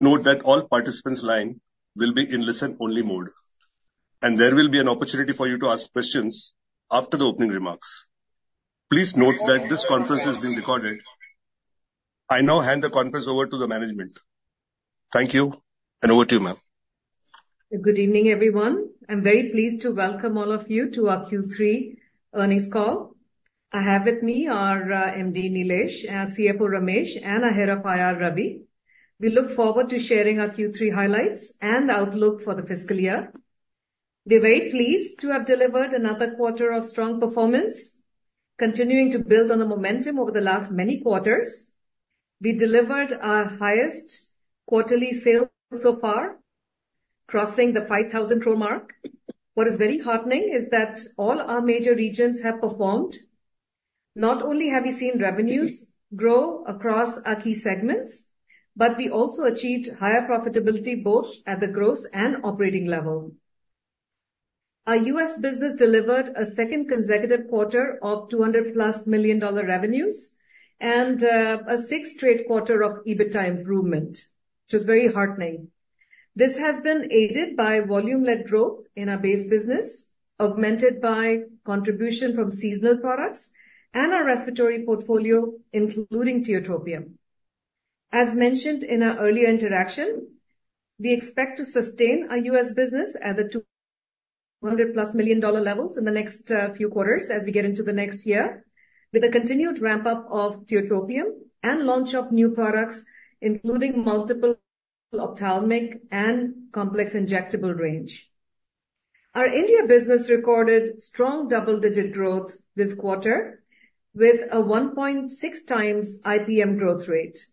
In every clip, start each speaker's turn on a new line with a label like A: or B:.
A: Note that all participants line will be in listen-only mode, and there will be an opportunity for you to ask questions after the opening remarks. Please note that this conference is being recorded. I now hand the conference over to the management. Thank you, and over to you, ma'am.
B: Good evening, everyone. I'm very pleased to welcome all of you to our Q3 earnings call. I have with me our MD, Nilesh, our CFO, Ramesh, and our Head of IR, Ravi. We look forward to sharing our Q3 highlights and outlook for the fiscal year. We're very pleased to have delivered another quarter of strong performance, continuing to build on the momentum over the last many quarters. We delivered our highest quarterly sales so far, crossing the 5,000 crore mark. What is very heartening is that all our major regions have performed. Not only have we seen revenues grow across our key segments, but we also achieved higher profitability, both at the gross and operating level. Our US business delivered a second consecutive quarter of $200+ million dollar revenues and a sixth straight quarter of EBITDA improvement, which is very heartening. This has been aided by volume-led growth in our base business, augmented by contribution from seasonal products and our respiratory portfolio, including tiotropium. As mentioned in our earlier interaction, we expect to sustain our U.S. business at the $200+ million levels in the next few quarters as we get into the next year, with a continued ramp-up of tiotropium and launch of new products, including multiple ophthalmic and complex injectable range. Our India business recorded strong double-digit growth this quarter, with a 1.6x IPM growth rate.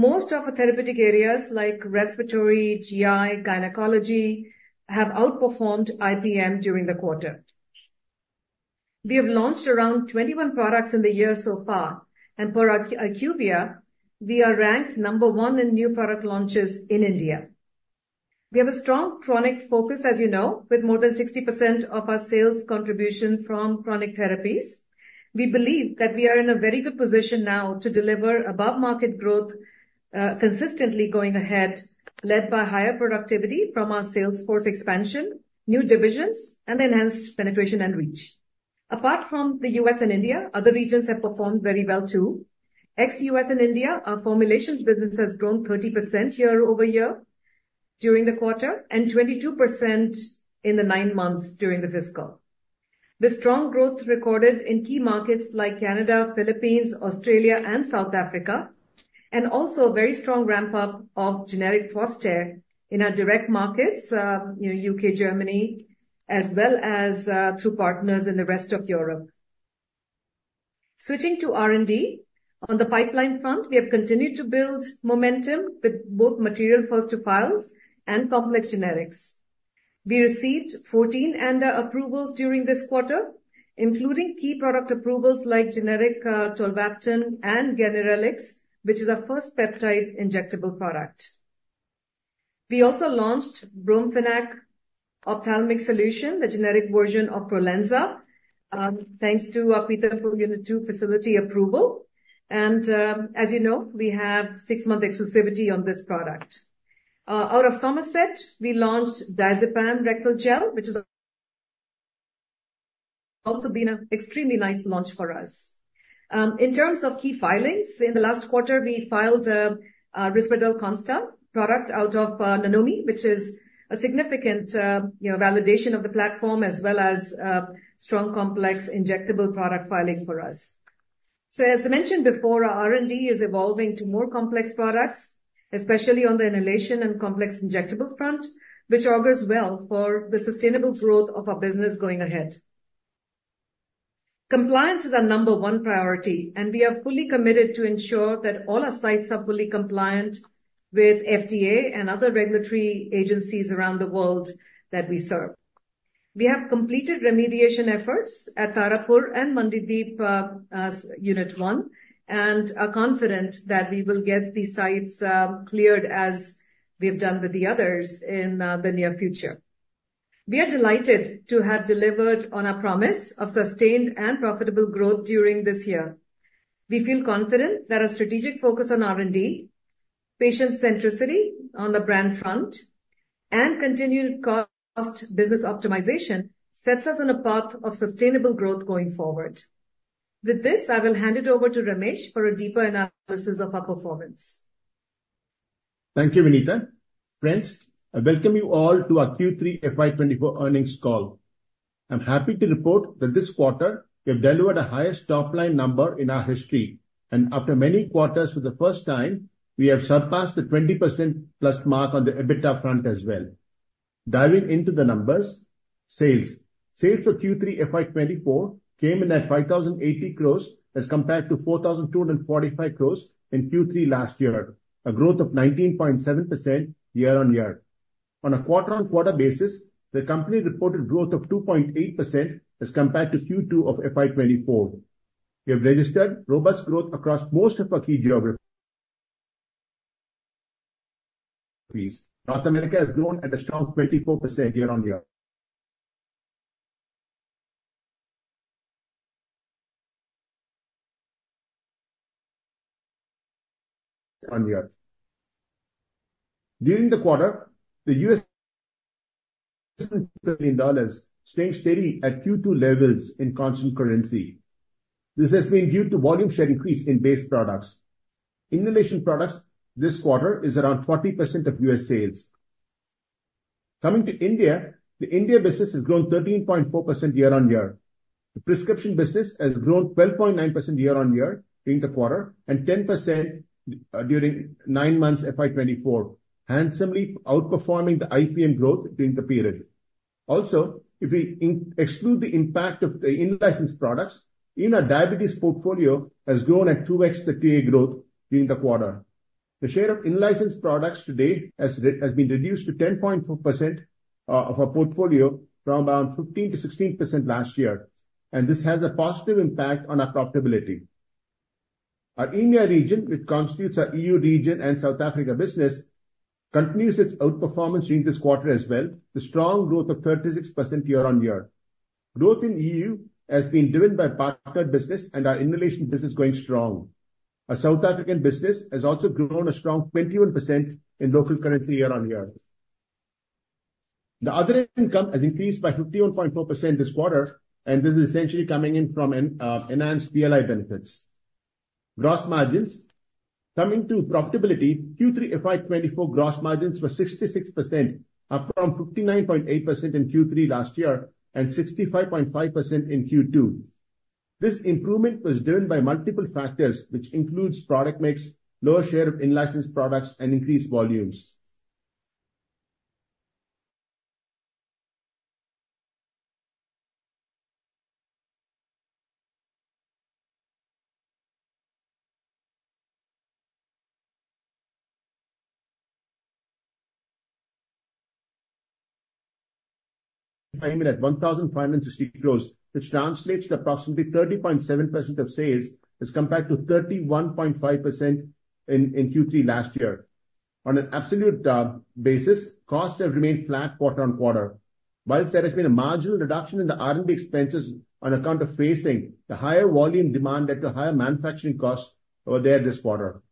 B: Most of our therapeutic areas like respiratory, GI, gynecology, have outperformed IPM during the quarter. We have launched around 21 products in the year so far, and per IQVIA, we are ranked number one in new product launches in India. We have a strong chronic focus, as you know, with more than 60% of our sales contribution from chronic therapies. We believe that we are in a very good position now to deliver above market growth, consistently going ahead, led by higher productivity from our sales force expansion, new divisions and enhanced penetration and reach. Apart from the U.S. and India, other regions have performed very well, too. Ex-U.S. and India, our formulations business has grown 30% year-over-year during the quarter, and 22% in the nine months during the fiscal. The strong growth recorded in key markets like Canada, Philippines, Australia, and South Africa, and also a very strong ramp-up of generic Foster in our direct markets, you know, U.K., Germany, as well as, through partners in the rest of Europe. Switching to R&D. On the pipeline front, we have continued to build momentum with both material first to files and complex generics. We received 14 ANDA approvals during this quarter, including key product approvals like generic tolvaptan and ganirelix, which is our first peptide injectable product. We also launched brimonidine ophthalmic solution, the generic version of Prolensa, thanks to our Pithampur Unit Two facility approval, and, as you know, we have 6-month exclusivity on this product. Out of Somerset, we launched diazepam rectal gel, which has also been an extremely nice launch for us. In terms of key filings, in the last quarter we filed Risperdal Consta product out of Nanomi, which is a significant, you know, validation of the platform as well as strong, complex injectable product filing for us. So as I mentioned before, our R&D is evolving to more complex products, especially on the inhalation and complex injectable front, which augurs well for the sustainable growth of our business going ahead. Compliance is our number one priority, and we are fully committed to ensure that all our sites are fully compliant with FDA and other regulatory agencies around the world that we serve. We have completed remediation efforts at Tarapur and Mandideep, as Unit One, and are confident that we will get these sites, cleared, as we've done with the others in, the near future. We are delighted to have delivered on our promise of sustained and profitable growth during this year. We feel confident that our strategic focus on R&D, patient centricity on the brand front, and continued cost business optimization sets us on a path of sustainable growth going forward. With this, I will hand it over to Ramesh for a deeper analysis of our performance.
C: Thank you, Vinita. Friends, I welcome you all to our Q3 FY 2024 Earnings Call. I'm happy to report that this quarter we have delivered the highest top-line number in our history, and after many quarters, for the first time, we have surpassed the 20%+ mark on the EBITDA front as well. Diving into the numbers, sales. Sales for Q3 FY 2024 came in at 5,080 crores, as compared to 4,245 crores in Q3 last year, a growth of 19.7% year-on-year. On a quarter-on-quarter basis, the company reported growth of 2.8% as compared to Q2 of FY 2024. We have registered robust growth across most of our key geographies. North America has grown at a strong 24% year-on-year. During the quarter, the U.S. dollars staying steady at Q2 levels in constant currency. This has been due to volume share increase in base products. Inhalation products this quarter is around 40% of US sales. Coming to India, the India business has grown 13.4% year-on-year. The prescription business has grown 12.9% year-on-year during the quarter, and 10% during nine months FY 2024, handsomely outperforming the IPM growth during the period. Also, if we exclude the impact of the in-licensed products, our diabetes portfolio has grown at 2x the TA growth during the quarter. The share of in-licensed products to date has been reduced to 10.4% of our portfolio from around 15%-16% last year, and this has a positive impact on our profitability. Our India region, which constitutes our EU region and South Africa business, continues its outperformance during this quarter as well, with strong growth of 36% year-on-year. Growth in EU has been driven by partner business and our inhalation business going strong. Our South African business has also grown a strong 21% in local currency year-on-year. The other income has increased by 51.4% this quarter, and this is essentially coming in from enhanced PLI benefits. Gross margins. Coming to profitability, Q3 FY 2024 gross margins were 66%, up from 59.8% in Q3 last year and 65.5% in Q2. This improvement was driven by multiple factors, which includes product mix, lower share of in-licensed products, and increased volumes. At INR 1,560 crores, which translates to approximately 30.7% of sales, as compared to 31.5% in Q3 last year. On an absolute basis, costs have remained flat quarter-on-quarter. While there has been a marginal reduction in the R&D expenses on account of facing the higher volume demand at a higher manufacturing cost over there this quarter.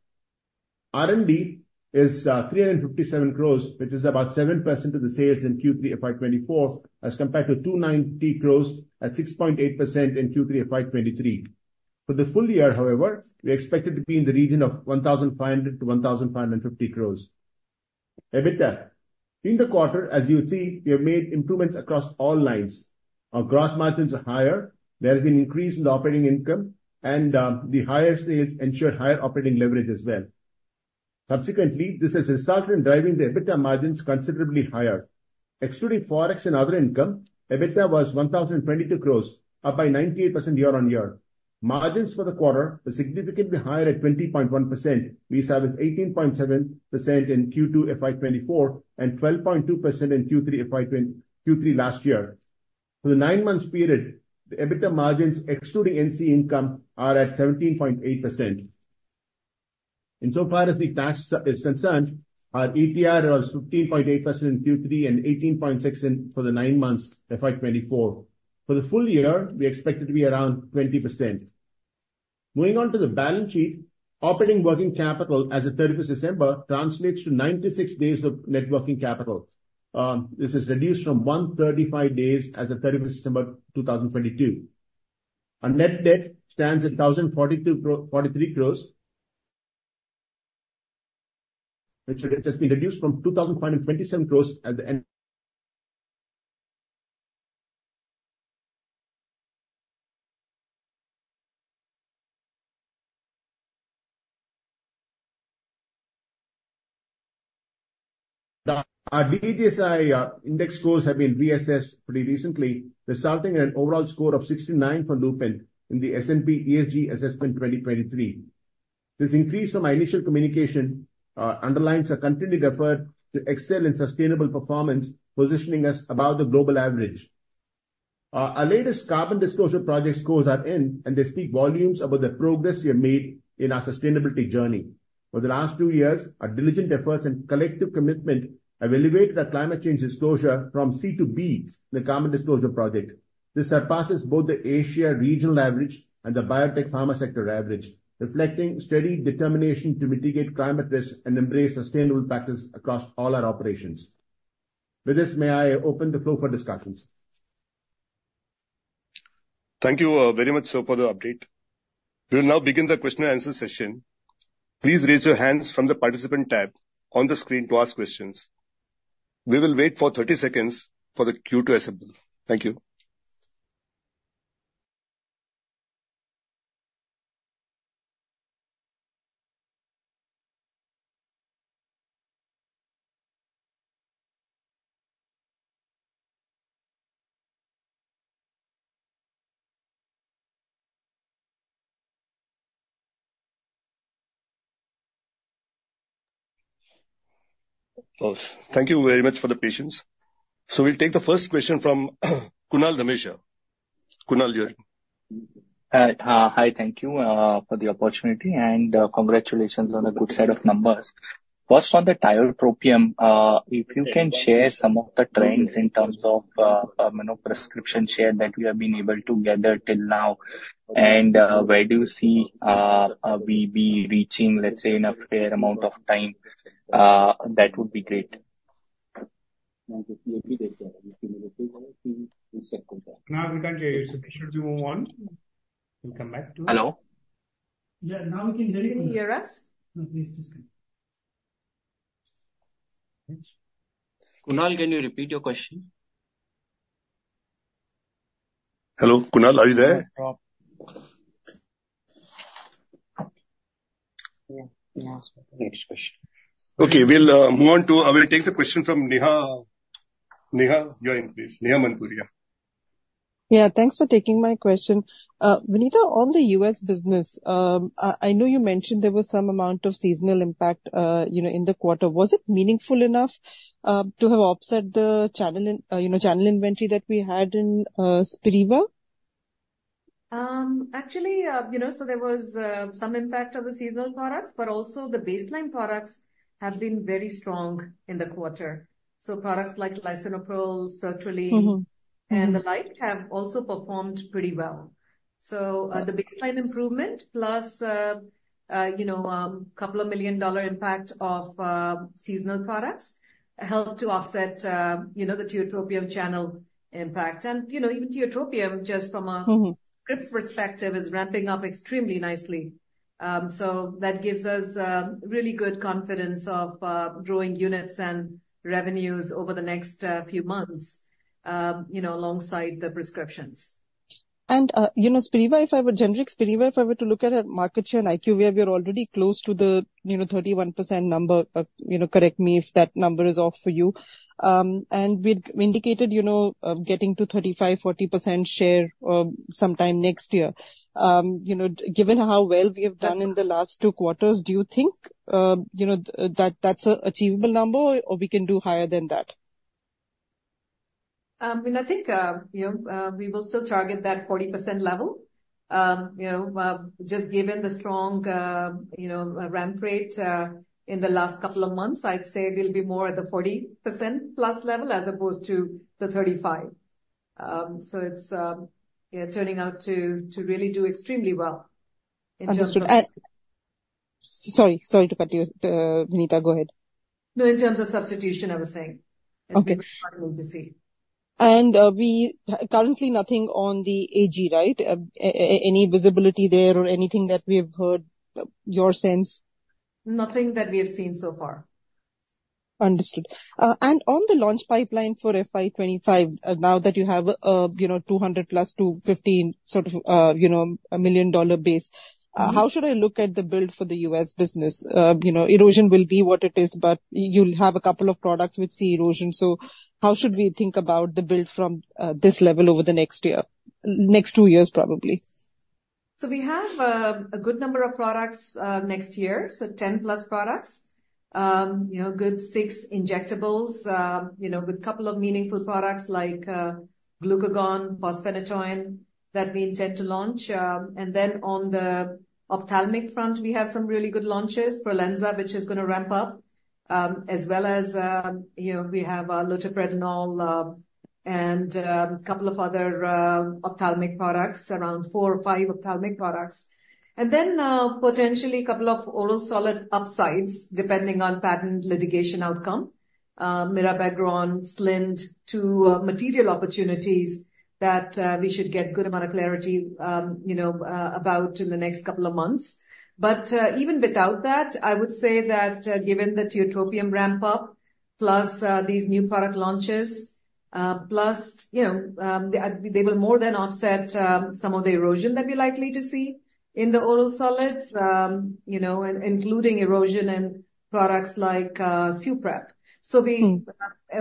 C: R&D is 357 crores, which is about 7% of the sales in Q3 FY 2024, as compared to 290 crores at 6.8% in Q3 FY 2023. For the full year, however, we expect it to be in the region of 1,500 crores-1,550 crores. EBITDA. In the quarter, as you would see, we have made improvements across all lines. Our gross margins are higher. There has been an increase in the operating income, and the higher sales ensured higher operating leverage as well. Subsequently, this has resulted in driving the EBITDA margins considerably higher. Excluding Forex and other income, EBITDA was 1,022 crore, up by 98% year-on-year. Margins for the quarter were significantly higher at 20.1%, versus 18.7% in Q2 FY 2024 and 12.2% in Q3 FY 2023. For the nine-month period, the EBITDA margins excluding NCE income are at 17.8%. In so far as the tax is concerned, our ETR was 15.8% in Q3 and 18.6% for the nine months FY 2024. For the full year, we expect it to be around 20%. Moving on to the balance sheet. Operating working capital as at 30 December translates to 96 days of net working capital. This is reduced from 135 days as at 30 December 2022. Our net debt stands at 1,042 crore, 43 crores, which has been reduced from 2,527 crores at the end. Our DJSI index scores have been reassessed pretty recently, resulting in an overall score of 69 for Lupin in the S&P ESG Assessment 2023. This increase from our initial communication underlines our continued effort to excel in sustainable performance, positioning us above the global average. Our latest Carbon Disclosure Project scores are in, and they speak volumes about the progress we have made in our sustainability journey. Over the last two years, our diligent efforts and collective commitment have elevated our climate change disclosure from C to B in the Carbon Disclosure Project. This surpasses both the Asia regional average and the biotech pharma sector average, reflecting steady determination to mitigate climate risk and embrace sustainable practices across all our operations. With this, may I open the floor for discussions?
A: Thank you, very much so for the update. We will now begin the question and answer session. Please raise your hands from the Participant tab on the screen to ask questions. We will wait for 30 seconds for the queue to assemble. Thank you. Thank you very much for the patience. So we'll take the first question from Kunal Dhamesha. Kunal Jain.
D: Hi, thank you for the opportunity, and congratulations on the good set of numbers. First, on the tiotropium, if you can share some of the trends in terms of, you know, prescription share that we have been able to gather till now, and where do you see we be reaching, let's say, in a fair amount of time, that would be great.
A: No, we can't hear you, so should we move on? We'll come back to you.
D: Hello?
A: Yeah. Now we can hear you.
B: Can you hear us?
A: No, please just come.
E: Kunal, can you repeat your question?
F: Hello, Kunal, are you there? Yeah. Next question.
A: Okay, we'll move on to... I will take the question from Neha. Neha, you're in, please. Neha Manpuria.
G: Yeah, thanks for taking my question. Vinita, on the U.S. business, I know you mentioned there was some amount of seasonal impact, you know, in the quarter. Was it meaningful enough to have offset the channel inventory that we had in Spiriva?
B: Actually, you know, so there was some impact of the seasonal products, but also the baseline products have been very strong in the quarter. So products like lisinopril, sertraline and the like, have also performed pretty well. So, the baseline improvement, plus, you know, couple of $2 million-dollar impact of seasonal products, helped to offset, you know, the tiotropium channel impact. And, you know, even tiotropium, just from a scripts perspective, is ramping up extremely nicely. So that gives us really good confidence of growing units and revenues over the next few months, you know, alongside the prescriptions.
G: You know, Spiriva, if I were, generic Spiriva, if I were to look at a market share in IQVIA, we are already close to the, you know, 31% number. You know, correct me if that number is off for you. And we'd, we indicated, you know, getting to 35%-40% share, sometime next year. You know, given how well we have done in the last two quarters, do you think, you know, that's an achievable number, or we can do higher than that?
B: I mean, I think, you know, we will still target that 40% level. You know, just given the strong, you know, ramp rate in the last couple of months, I'd say we'll be more at the 40% plus level, as opposed to the 35. So it's, yeah, turning out to really do extremely well.
G: Understood. Sorry, sorry to cut you, Vinita. Go ahead.
B: No, in terms of substitution, I was saying.
G: Okay.
B: Hard to see.
G: Currently, nothing on the AG, right? Any visibility there or anything that we have heard, your sense?
B: Nothing that we have seen so far.
G: Understood. And on the launch pipeline for FY 2025, now that you have, you know, 200+ to 15 sort of, you know, a $1 million base how should I look at the build for the U.S. business? You know, erosion will be what it is, but you'll have a couple of products which see erosion. So how should we think about the build from this level over the next year, next two years, probably?
B: So we have a good number of products next year, so 10+ products. You know, good six injectables, you know, with a couple of meaningful products like glucagon, fosphenytoin, that we intend to launch. And then on the ophthalmic front, we have some really good launches, xarelenza, which is gonna ramp up, as well as you know, we have loteprednol and a couple of other ophthalmic products, around 4 or 5 ophthalmic products. And then potentially a couple of oral solid upsides, depending on patent litigation outcome. Mirabegron and two material opportunities that we should get good amount of clarity you know about in the next couple of months. But, even without that, I would say that, given the tiotropium ramp up, plus these new product launches, plus, you know, they will more than offset some of the erosion that we're likely to see in the oral solids. You know, including erosion in products like Suprep. So we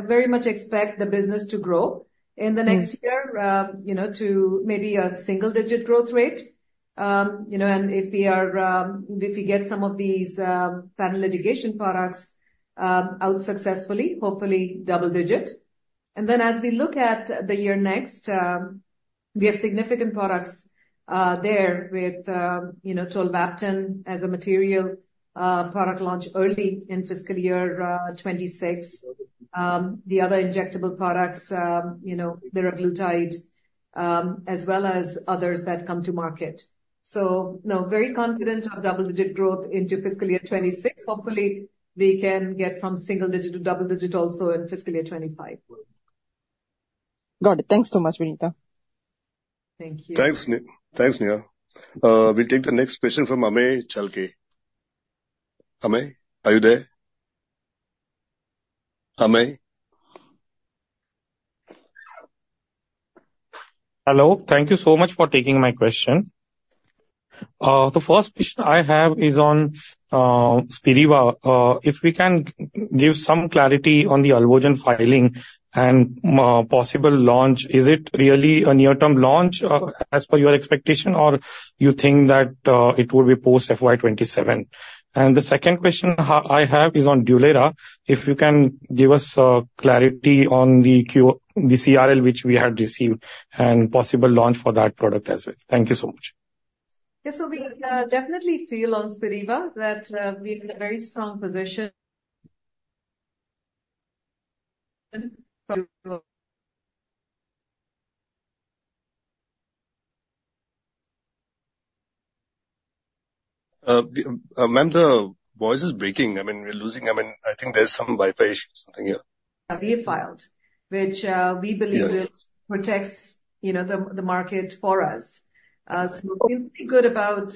B: very much expect the business to grow in the next year. You know, to maybe a single-digit growth rate. You know, and if we are, if we get some of these patent litigation products out successfully, hopefully double-digit. And then as we look at the year next, we have significant products there with, you know, tolvaptan as a material product launch early in fiscal year 2026. The other injectable products, you know, liraglutide, as well as others that come to market. So, now, very confident of double-digit growth into fiscal year 2026. Hopefully, we can get from single-digit to double-digit also in fiscal year 2025.
G: Got it. Thanks so much, Vinita.
B: Thank you.
F: Thanks, Neha. We take the next question from Amey Chalke. Amey, are you there? Amey?
H: Hello. Thank you so much for taking my question. The first question I have is on Spiriva. If we can give some clarity on the Alvogen filing and possible launch, is it really a near-term launch as per your expectation, or you think that it will be post FY 2027? And the second question I have is on Dulera. If you can give us clarity on the Q, the CRL, which we have received, and possible launch for that product as well. Thank you so much.
B: Yes, so we definitely feel on Spiriva that we are in a very strong position.
F: Ma'am, the voice is breaking. I mean, we're losing. I mean, I think there's some Wi-Fi issue or something here.
B: Have you filed, which, we believe-
F: Yes.
B: protects, you know, the market for us. So we feel pretty good about,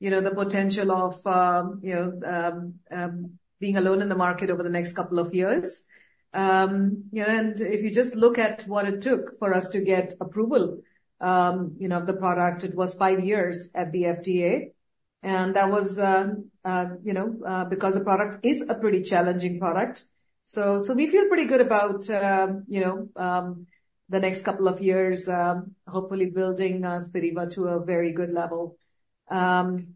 B: you know, the potential of, you know, being alone in the market over the next couple of years. You know, and if you just look at what it took for us to get approval, you know, of the product, it was 5 years at the FDA, and that was, you know, because the product is a pretty challenging product. So we feel pretty good about, you know, the next couple of years, hopefully building Spiriva to a very good level. On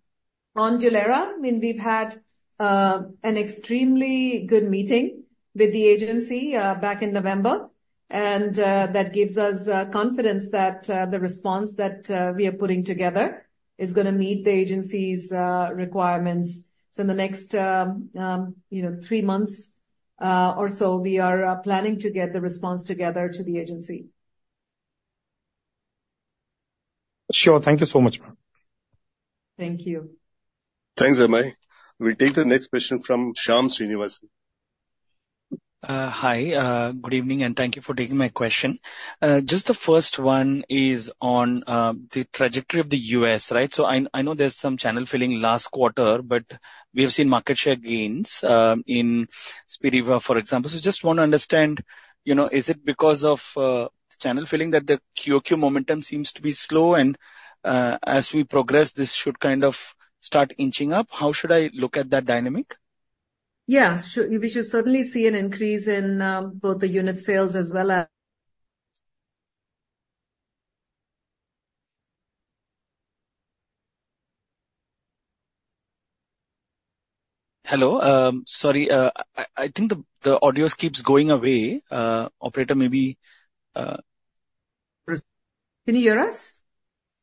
B: Dulera, I mean, we've had an extremely good meeting with the agency back in November, and that gives us confidence that the response that we are putting together is gonna meet the agency's requirements. So in the next, you know, three months or so, we are planning to get the response together to the agency.
F: Sure. Thank you so much, ma'am.
B: Thank you.
E: Thanks, Amay. We'll take the next question from Shyam Srinivasan.
I: Hi. Good evening, and thank you for taking my question. Just the first one is on the trajectory of the US, right? So I know there's some channel filling last quarter, but we have seen market share gains in Spiriva, for example. So just want to understand, you know, is it because of channel filling that the QOQ momentum seems to be slow, and as we progress, this should kind of start inching up? How should I look at that dynamic?
B: Yeah. Sure. We should certainly see an increase in both the unit sales as well as--
F: Hello? Sorry, I think the audio keeps going away. Operator, maybe-
B: Can you hear us?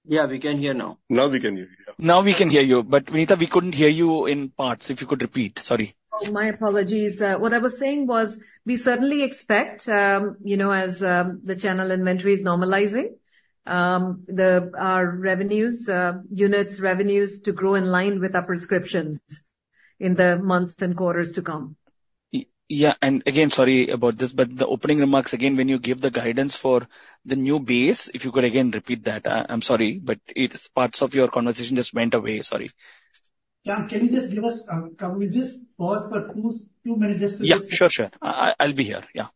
F: Yeah, we can hear now.
A: Now we can hear you. Yeah.
F: Now we can hear you, but, Vinita, we couldn't hear you in parts. If you could repeat. Sorry.
B: Oh, my apologies. What I was saying was, we certainly expect, you know, as the channel inventory is normalizing, our revenues, units revenues to grow in line with our prescriptions in the months and quarters to come.
I: Yeah. And again, sorry about this, but the opening remarks again, when you give the guidance for the new base, if you could again repeat that. I'm sorry, but it's parts of your conversation just went away. Sorry.
E: Can you just give us, can we just pause for two minutes just to-
I: Yeah, sure, sure. I'll be here. Yeah.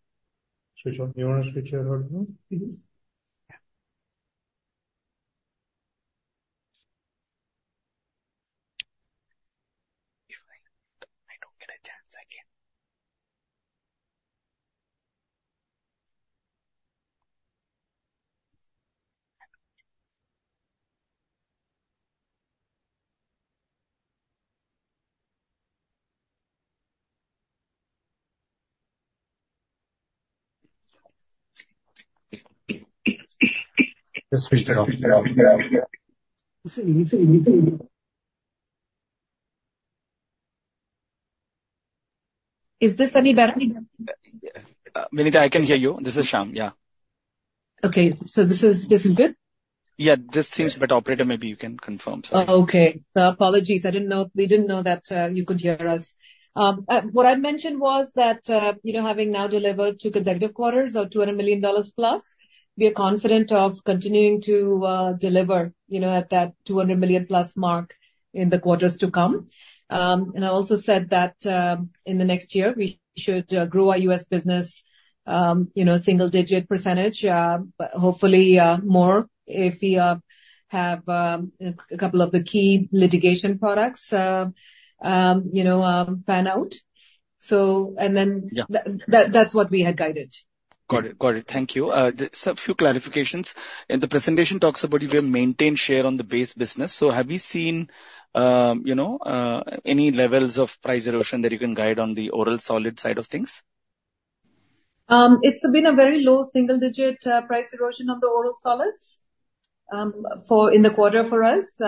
E: Sean, do you want to switch your volume, please?
I: Yeah. If I don't get a chance again.
E: Just switch it off.
B: Is this any better?
I: Vinita, I can hear you. This is Shyam. Yeah.
B: Okay, so this is, this is good?
I: Yeah, this seems, but operator, maybe you can confirm. Sorry.
B: Oh, okay. Apologies. I didn't know... We didn't know that you could hear us. What I mentioned was that, you know, having now delivered two consecutive quarters of $200 million plus, we are confident of continuing to deliver, you know, at that $200 million-plus mark in the quarters to come. And I also said that, in the next year we should grow our U.S. business, you know, single-digit percentage, but hopefully more if we have a couple of the key litigation products pan out. So and then-
I: Yeah.
B: That, that's what we had guided.
I: Got it. Thank you. There are a few clarifications. In the presentation talks about you will maintain share on the base business. So have you seen, you know, any levels of price erosion that you can guide on the oral solid side of things?
B: It's been a very low single-digit price erosion on the oral solids, for in the quarter for us,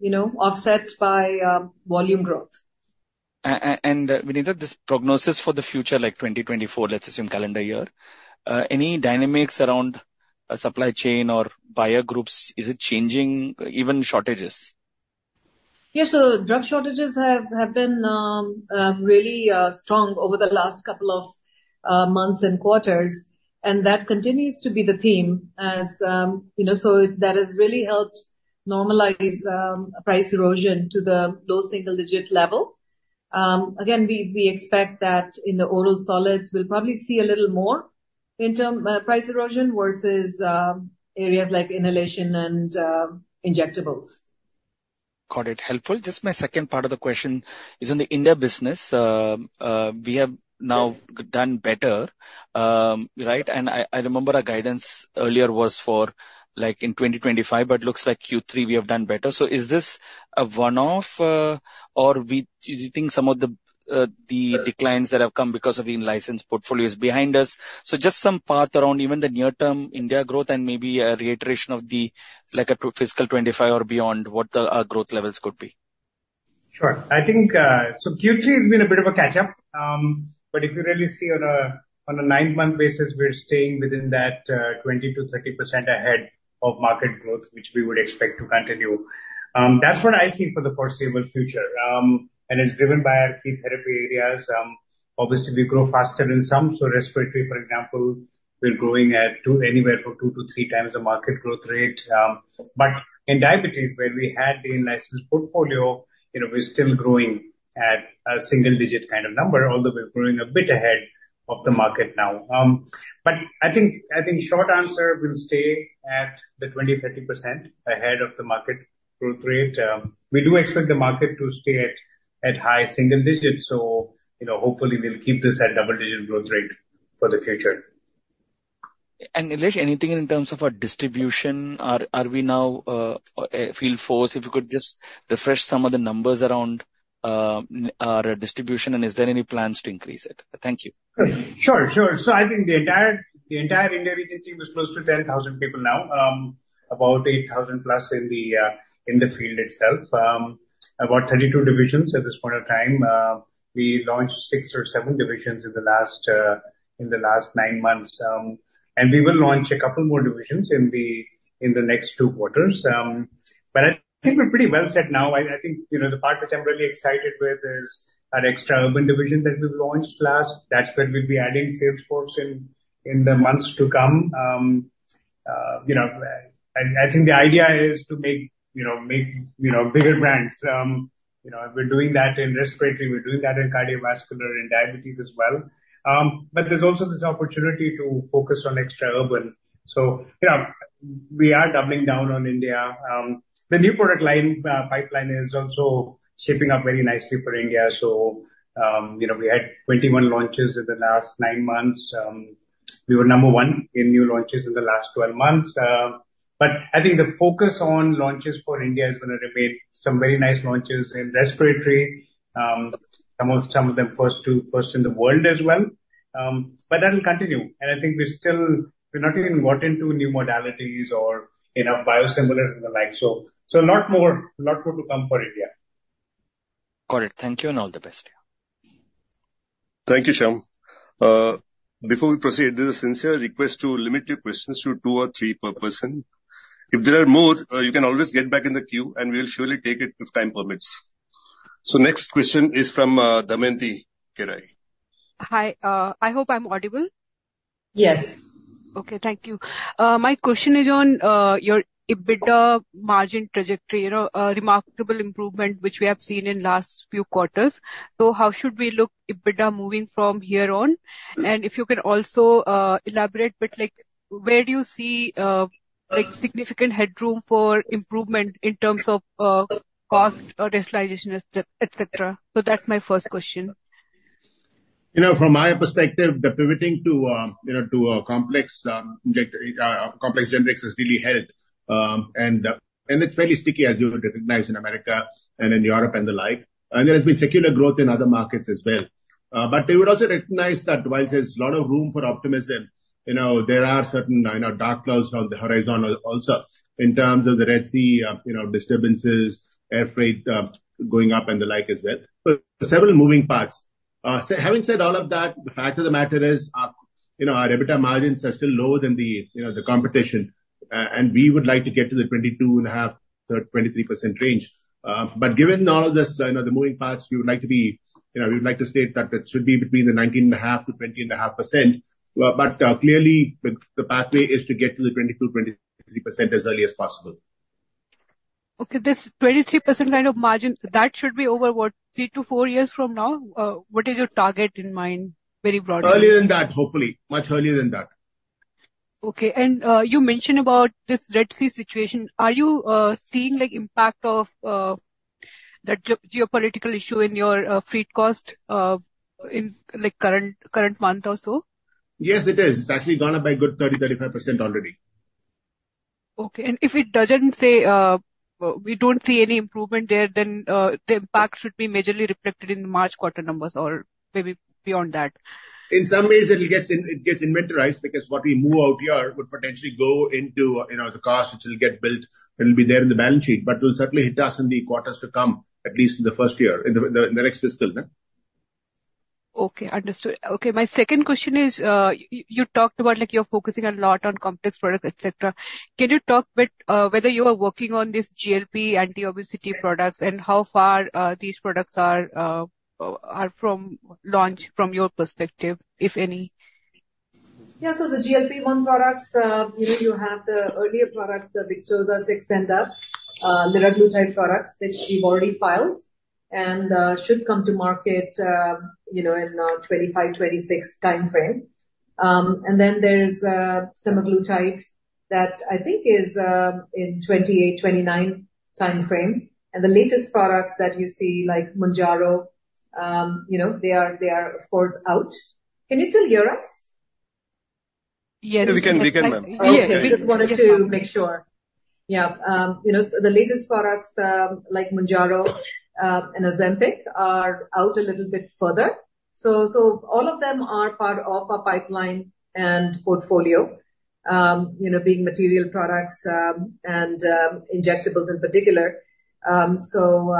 B: you know, offset by volume growth.
I: And Vinita, this prognosis for the future, like 2024, let's assume calendar year, any dynamics around supply chain or buyer groups, is it changing, even shortages?
B: Yeah. So drug shortages have been really strong over the last couple of months and quarters, and that continues to be the theme as. You know, so that has really helped normalize price erosion to the low single digit level. Again, we expect that in the oral solids, we'll probably see a little more in term price erosion versus areas like inhalation and injectables.
I: Got it. Helpful. Just my second part of the question is on the India business. We have now done better, right? And I, remember our guidance earlier was for like in 2025, but looks like Q3 we have done better. So is this a one-off, or do you think some of the declines that have come because of the license portfolio is behind us? So just some path around even the near-term India growth and maybe a reiteration of the, like, a fiscal 2025 or beyond, what, our growth levels could be.
J: Sure. I think, so Q3 has been a bit of a catch-up. But if you really see on a 9-month basis, we're staying within that 20%-30% ahead of market growth, which we would expect to continue. That's what I see for the foreseeable future, and it's driven by our key therapy areas. Obviously, we grow faster in some. So respiratory, for example, we're growing at 2, anywhere from 2-3x the market growth rate. But in diabetes, where we had the licensed portfolio, you know, we're still growing at a single digit kind of number, although we're growing a bit ahead of the market now. But I think short answer, we'll stay at the 20%-30% ahead of the market growth rate. We do expect the market to stay at high single digits, so, you know, hopefully we'll keep this at double-digit growth rate for the future.
I: Nilesh, anything in terms of our distribution? Are we now a field force, if you could just refresh some of the numbers around our distribution, and is there any plans to increase it? Thank you.
J: Sure, sure. So I think the entire India agency was close to 10,000 people now, about 8,000 plus in the field itself. About 32 divisions at this point of time. We launched 6 or 7 divisions in the last 9 months. And we will launch a couple more divisions in the next 2 quarters. But I think we're pretty well set now. I think, you know, the part which I'm really excited with is our extra urban division that we launched last. That's where we'll be adding sales force in the months to come. You know, I think the idea is to make, you know, bigger brands. You know, we're doing that in respiratory, we're doing that in cardiovascular and diabetes as well. But there's also this opportunity to focus on extra urban. So, yeah, we are doubling down on India. The new product line, pipeline is also shaping up very nicely for India. So, you know, we had 21 launches in the last 9 months. We were number one in new launches in the last 12 months. But I think the focus on launches for India is gonna remain. Some very nice launches in respiratory, some of them first to, first in the world as well. But that will continue, and I think we're still- we've not even got into new modalities or, you know, biosimilars and the like, so, so a lot more, a lot more to come for India.
I: Got it. Thank you and all the best.
A: Thank you, Shyam. Before we proceed, there's a sincere request to limit your questions to two or three per person. If there are more, you can always get back in the queue, and we'll surely take it if time permits. Next question is from Damayanti Kerai.
K: Hi. I hope I'm audible.
B: Yes.
K: Okay. Thank you. My question is on your EBITDA margin trajectory. You know, remarkable improvement, which we have seen in last few quarters. So how should we look EBITDA moving from here on? And if you can also elaborate, but, like, where do you see, like, significant headroom for improvement in terms of cost or digitalizing, et cetera? So that's my first question.
J: You know, from my perspective, the pivoting to, you know, to a complex, like, complex generics has really helped. And it's fairly sticky, as you would recognize in America and in Europe and the like, and there has been secular growth in other markets as well. But we would also recognize that whilst there's a lot of room for optimism, you know, there are certain, you know, dark clouds on the horizon also, in terms of the Red Sea, you know, disturbances, air freight, going up and the like as well. So several moving parts. So having said all of that, the fact of the matter is, you know, our EBITDA margins are still lower than the, you know, the competition, and we would like to get to the 22.5-23% range. But given all of this, you know, the moving parts, we would like to be, you know, we'd like to state that it should be between 19.5%-20.5%. But clearly, the pathway is to get to the 22%-23% as early as possible.
K: Okay, this 23% kind of margin, that should be over, what? 3-4 years from now? What is your target in mind, very broadly?
J: Earlier than that, hopefully. Much earlier than that.
K: Okay, and you mentioned about this Red Sea situation. Are you seeing, like, impact of the geopolitical issue in your freight cost in, like, current month or so?
J: Yes, it is. It's actually gone up by a good 30%-35% already.
K: Okay. If it doesn't, say, we don't see any improvement there, then the impact should be majorly reflected in the March quarter numbers or maybe beyond that?
J: In some ways, it gets inventorized, because what we move out here would potentially go into, you know, the cost, which will get built and will be there in the balance sheet, but will certainly hit us in the quarters to come, at least in the first year, in the next fiscal, yeah.
K: Okay, understood. Okay, my second question is, you talked about, like, you're focusing a lot on complex products, et cetera. Can you talk a bit whether you are working on these GLP anti-obesity products and how far these products are from launch from your perspective, if any?
B: Yeah, so the GLP-1 products, you know, you have the earlier products, the Victoza, Saxenda, liraglutide products that we've already filed and should come to market, you know, in 2025, 2026 timeframe. And then there's semaglutide that I think is in 2028, 2029 timeframe. And the latest products that you see, like Mounjaro, you know, they are, of course, out. Can you still hear us?
K: Yes.
A: We can, we can, ma'am.
B: Okay. We just wanted to make sure. Yeah. You know, so the latest products, like Mounjaro and Ozempic, are out a little bit further. So all of them are part of our pipeline and portfolio. You know, being material products and injectables in particular. So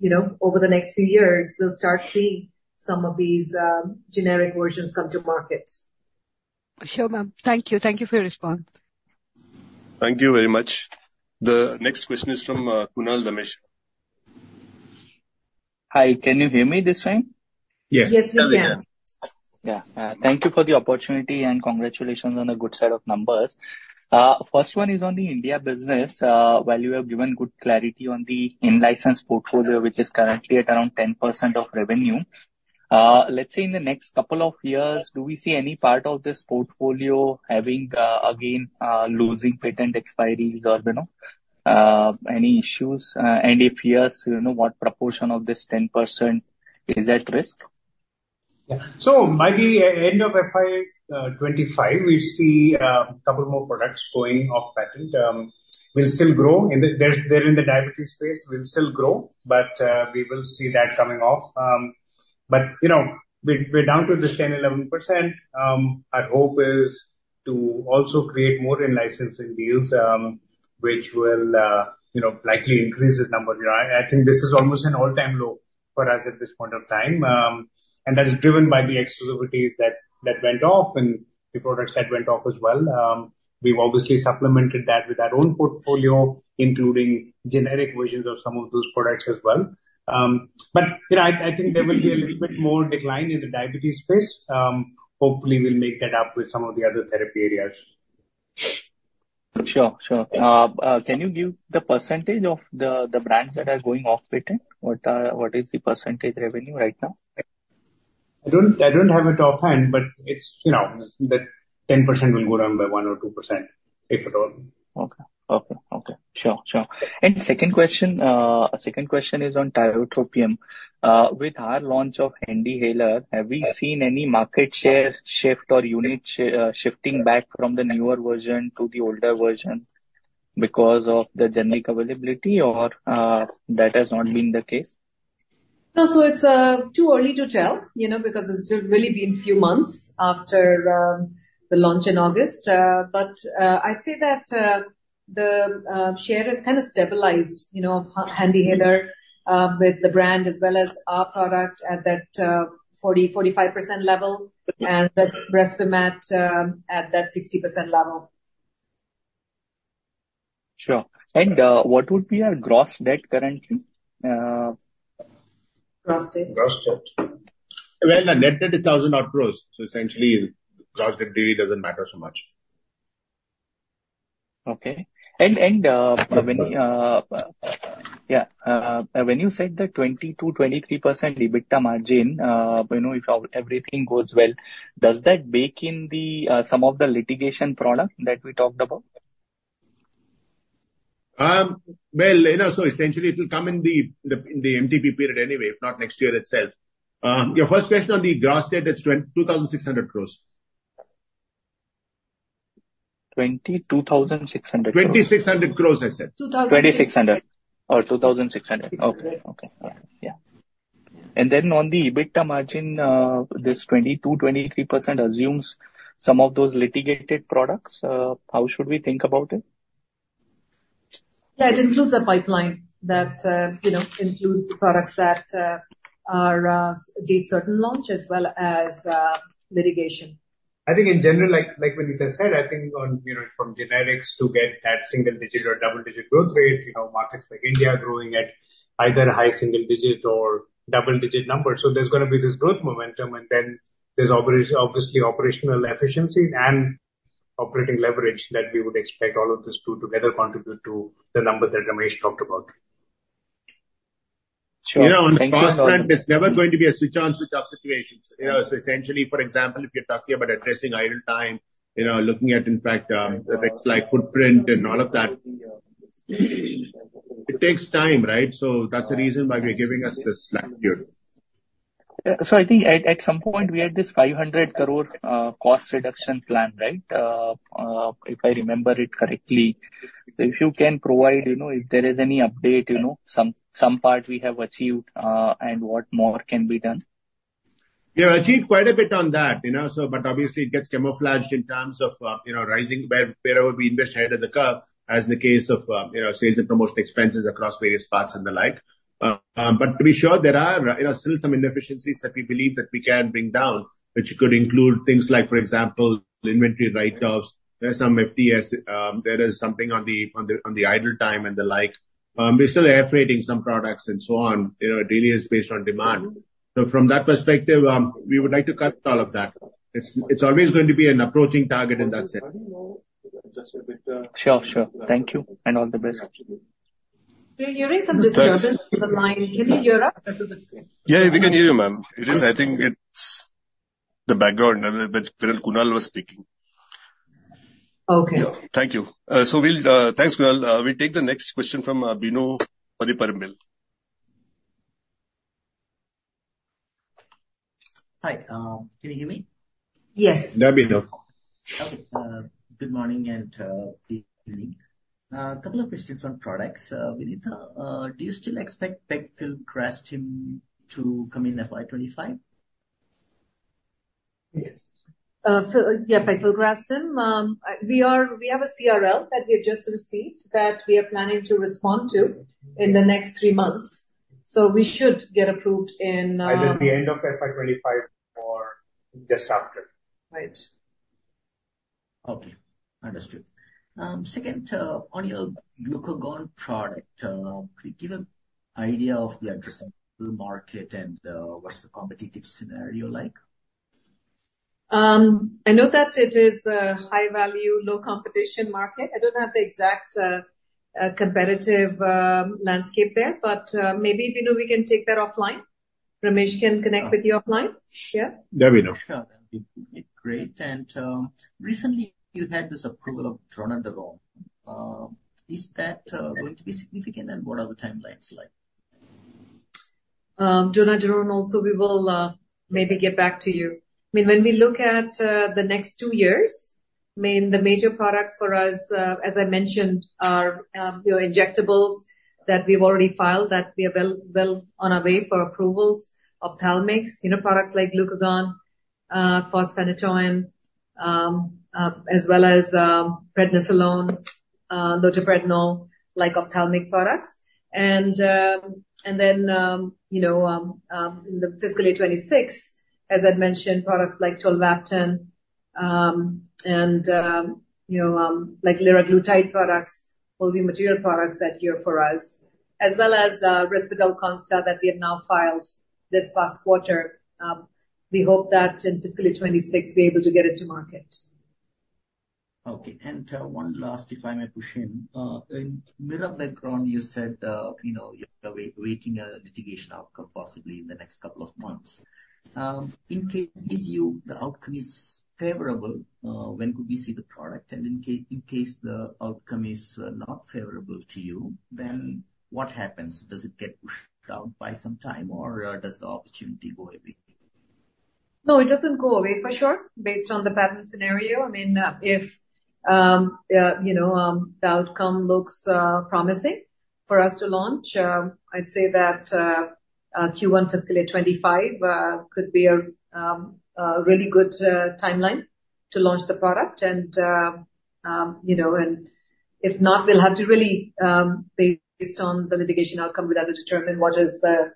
B: you know, over the next few years, we'll start seeing some of these generic versions come to market.
K: Sure, ma'am. Thank you. Thank you for your response.
A: Thank you very much. The next question is from Kunal Dhamesh.
L: Hi, can you hear me this time?
F: Yes.
B: Yes, we can.
L: Yeah. Thank you for the opportunity, and congratulations on a good set of numbers. First one is on the India business. While you have given good clarity on the in-license portfolio, which is currently at around 10% of revenue, let's say in the next couple of years, do we see any part of this portfolio having, again, losing patent expiries or, you know, any issues? And if yes, you know, what proportion of this 10% is at risk?
J: Yeah. So by the end of FY 2025, we see a couple more products going off patent. We'll still grow. In the diabetes space, we'll still grow, but we will see that coming off. But, you know, we're down to just 10%-11%. Our hope is to also create more in-licensing deals, which will, you know, likely increase this number. You know, I think this is almost an all-time low for us at this point of time, and that is driven by the exclusivities that went off and the products that went off as well. We've obviously supplemented that with our own portfolio, including generic versions of some of those products as well. But, you know, I think there will be a little bit more decline in the diabetes space. Hopefully we'll make that up with some of the other therapy areas.
L: Sure. Sure. Can you give the percentage of the brands that are going off patent? What is the percentage revenue right now?
J: I don't have it offhand, but it's, you know, that 10% will go down by 1% or 2%, if at all.
L: Okay. Sure, sure. And second question, second question is on tiotropium. With our launch of HandiHaler, have we seen any market share shift or units shifting back from the newer version to the older version because of the generic availability, or that has not been the case?
B: No, so it's too early to tell, you know, because it's just really been a few months after the launch in August. But I'd say that the share has kind of stabilized, you know, HandiHaler with the brand as well as our product at that 40%-45% level, and Respimat at that 60% level.
L: Sure. And, what would be our gross debt currently?
B: Gross debt.
J: Gross debt. Well, the net debt is 1,000-odd crores, so essentially, gross debt really doesn't matter so much.
L: Okay. And when. Yeah, when you said that 20%-23% EBITDA margin, you know, if everything goes well, does that bake in the some of the litigation product that we talked about?
J: Well, you know, so essentially it will come in the MTP period anyway, if not next year itself. Your first question on the gross debt, it's 2,600 crore.
L: 22,600--
J: 2,600 crore, I said.
B: Two thousand--
L: 2,600. Oh, 2,600.
J: Yeah.
L: Okay. Yeah. And then on the EBITDA margin, this 22%-23% assumes some of those litigated products. How should we think about it?
B: Yeah, it includes a pipeline that, you know, includes products that are date certain launch as well as litigation.
J: I think in general, like Malika said, I think on, you know, from generics to get that single digit or double-digit growth rate, you know, markets like India are growing at either high single-digit or double-digit numbers. So there's gonna be this growth momentum, and then there's obviously operational efficiencies and operating leverage that we would expect all of this to together contribute to the number that Ramesh talked about.
L: Sure. Thank you.
J: You know, on the cost front, there's never going to be a switch on, switch off situations. You know, so essentially, for example, if you're talking about addressing idle time, you know, looking at, in fact, the things like footprint and all of that, it takes time, right? So that's the reason why we are giving us this slack period.
L: So I think at some point we had this 500 crore cost reduction plan, right? If I remember it correctly. If you can provide, you know, if there is any update, you know, some part we have achieved, and what more can be done.
J: Yeah, achieved quite a bit on that, you know, so but obviously it gets camouflaged in terms of, you know, rising where, wherever we invest ahead of the curve, as in the case of, you know, sales and promotional expenses across various parts and the like. But to be sure, there are, you know, still some inefficiencies that we believe that we can bring down, which could include things like, for example, inventory write-offs. There are some FTS, there is something on the idle time, and the like. We're still airfreighting some products and so on, you know, it really is based on demand. So from that perspective, we would like to cut all of that. It's always going to be an approaching target in that sense.
A: Just a bit.
L: Sure, sure. Thank you, and all the best.
B: We're hearing some disturbance on the line. Can you hear us?
A: Yeah, we can hear you, ma'am. It is, I think it's the background when Kunal was speaking.
B: Okay.
A: Yeah. Thank you. So we'll. Thanks, Kunal. We'll take the next question from Bino Pathiparampil.
M: Hi, can you hear me?
B: Yes.
F: Yeah, Bino.
M: Okay, good morning, and good evening. Couple of questions on products. Vinita, do you still expect pegfilgrastim to come in FY 2025?
B: Yeah, pegfilgrastim. We have a CRL that we have just received that we are planning to respond to in the next three months. So we should get approved in,
M: It will be end of FY 25 or just after.
B: Right.
M: Okay, understood. Second, on your glucagon product, could you give an idea of the addressable market and, what's the competitive scenario like?
B: I know that it is a high value, low competition market. I don't have the exact competitive landscape there, but maybe, Vinu, we can take that offline. Ramesh can connect with you offline. Yeah?
C: That'll be enough.
M: Sure, that'd be great. And, recently, you had this approval of dronedarone. Is that going to be significant, and what are the timelines like?
B: Dronedarone also, we will maybe get back to you. I mean, when we look at the next two years, I mean, the major products for us, as I mentioned, are you know, injectables that we've already filed, that we are well, well on our way for approvals. Ophthalmic, you know, products like glucagon, fosphenytoin, as well as, prednisolone, loteprednol, like ophthalmic products. And then, you know, in the fiscal year 2026, as I'd mentioned, products like tolvaptan, and you know, like liraglutide products will be material products that year for us, as well as, Risperdal Consta that we have now filed this past quarter. We hope that in fiscal year 2026, we're able to get it to market.
M: Okay. And one last, if I may push in. In mirabegron, you said, you know, you're waiting a litigation outcome possibly in the next couple of months. In case the outcome is favorable, when could we see the product? And in case the outcome is not favorable to you, then what happens? Does it get pushed out by some time, or does the opportunity go away?
B: No, it doesn't go away, for sure, based on the patent scenario. I mean, if you know, I'd say that Q1 fiscal year 2025 could be a really good timeline to launch the product. And, you know, and if not, we'll have to really, based on the litigation outcome, we'd have to determine what is the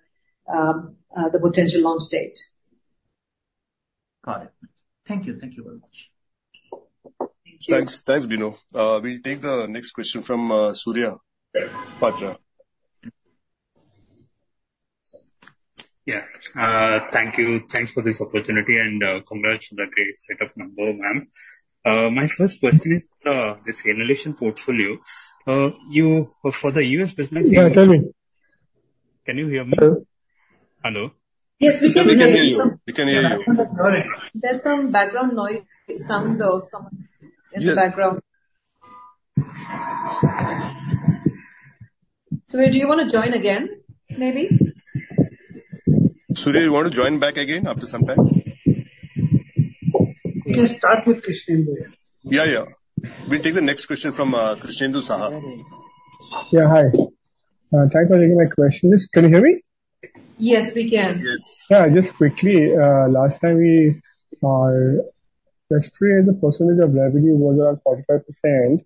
B: potential launch date.
M: Got it. Thank you. Thank you very much.
B: Thank you.
A: Thanks. Thanks, Vinu. We'll take the next question from Surya Patra.
N: Yeah. Thank you. Thanks for this opportunity, and, congrats on the great set of numbers, ma'am. My first question is, this inhalation portfolio. You, for the U.S. business--
F: Yeah, tell me.
N: Can you hear me? Hello?
A: Hello?
B: Yes, we can hear you.
A: We can hear you.
B: There's some background noise, sound of someone in the background. Surya, do you want to join again, maybe?
A: Surya, do you want to join back again after some time?
N: We can start with Krishnendu.
A: Yeah, yeah. We'll take the next question from Krishnendu Saha.
O: Yeah, hi. Thanks for taking my questions. Can you hear me?
B: Yes, we can.
A: Yes.
O: Yeah, just quickly, last time we respiratory, as a percentage of revenue, was around 45%.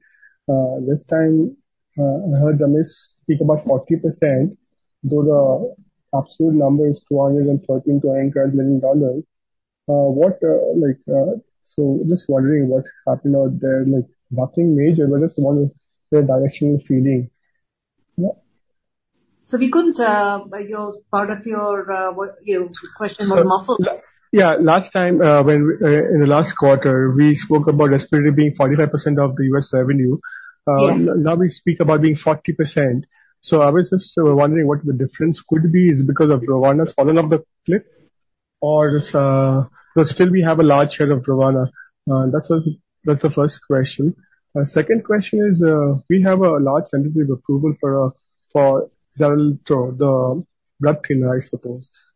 O: This time, I heard Ramesh speak about 40%, though the absolute number is $213 million-$209 million. What, like-- so just wondering what happened out there, like, nothing major, but just want to get a directional feeling. Yeah.
B: So we couldn't hear part of your question. Your question was muffled.
O: Yeah. Last time, when in the last quarter, we spoke about respiratory being 45% of the U.S. revenue.
B: Yeah.
O: Now we speak about being 40%. So I was just wondering what the difference could be. Is it because of Brovana's fallen off the cliff, or just, because still we have a large share of Brovana? That's also, that's the first question. Second question is, we have a large tentative approval for Xarelto, the blood thinner, I suppose. It's a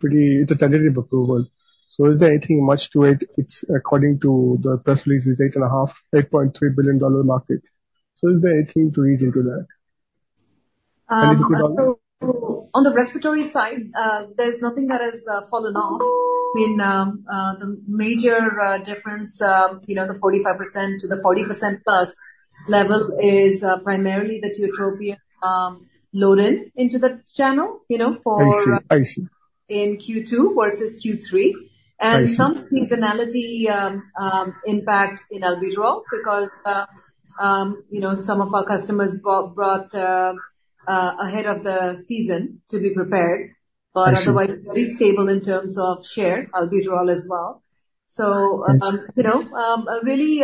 O: pretty-- it's a tentative approval. So is there anything much to it? It's according to the press release, it's $8.5, $8.3 billion market. So is there anything to read into that?
B: So on the respiratory side, there's nothing that has fallen off. I mean, the major difference, you know, the 45% to the 40%+ level is primarily the tiotropium loading into the channel, you know, for-
O: I see. I see.
B: In Q2 versus Q3.
O: I see.
B: Some seasonality impact in albuterol because, you know, some of our customers bought ahead of the season to be prepared.
O: I see.
B: But otherwise, very stable in terms of share, Albuterol as well.
O: I see.
B: So, you know, a really,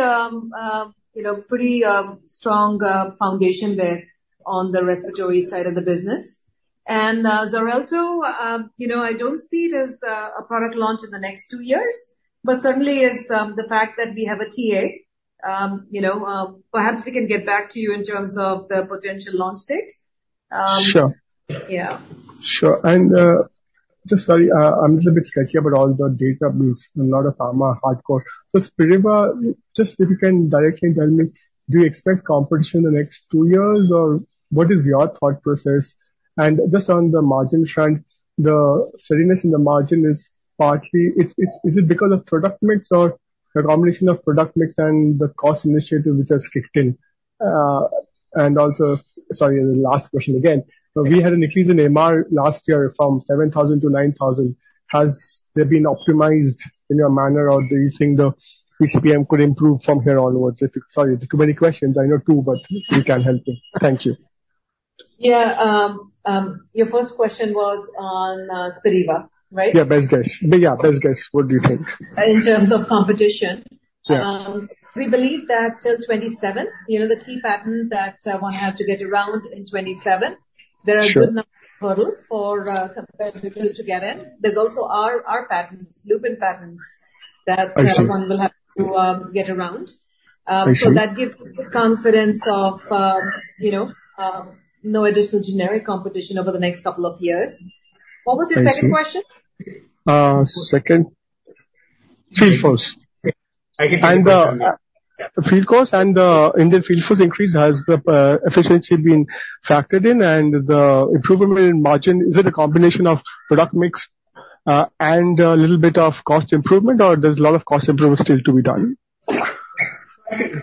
B: you know, pretty strong foundation there on the respiratory side of the business. And, Xarelto, you know, I don't see it as a product launch in the next two years, but certainly is the fact that we have a TA. You know, perhaps we can get back to you in terms of the potential launch date.
O: Sure.
B: Yeah.
O: Sure. And, just sorry, I'm a little bit sketchy about all the data bits and a lot of pharma hardcore. So Spiriva, just if you can directly tell me, do you expect competition in the next two years, or what is your thought process? And just on the margin front, the steadiness in the margin is partly, is it because of product mix or the combination of product mix and the cost initiative which has kicked in? And also, sorry, the last question again. So we had an increase in MR last year from 7,000-9,000. Has there been optimized in your manner, or do you think the PCPM could improve from here onwards? Sorry, too many questions. I know two, but you can help me. Thank you.
B: Yeah. Your first question was on Spiriva, right?
O: Yeah, best guess. But, yeah, best guess. What do you think?
B: In terms of competition?
O: Yeah.
B: We believe that till 2027, you know, the key pattern that one has to get around in 2027--
O: Sure.
B: There are good number of hurdles for competitors to get in. There's also our patents, Lupin patents, that-
O: I see.
B: Everyone will have to get around.
O: I see.
B: That gives us the confidence of, you know, no additional generic competition over the next couple of years.
O: I see.
B: What was your second question?
O: Second, field force.
J: I can hear you.
O: Field force and in the field force increase, has the efficiency been factored in? And the improvement in margin, is it a combination of product mix and a little bit of cost improvement, or there's a lot of cost improvement still to be done?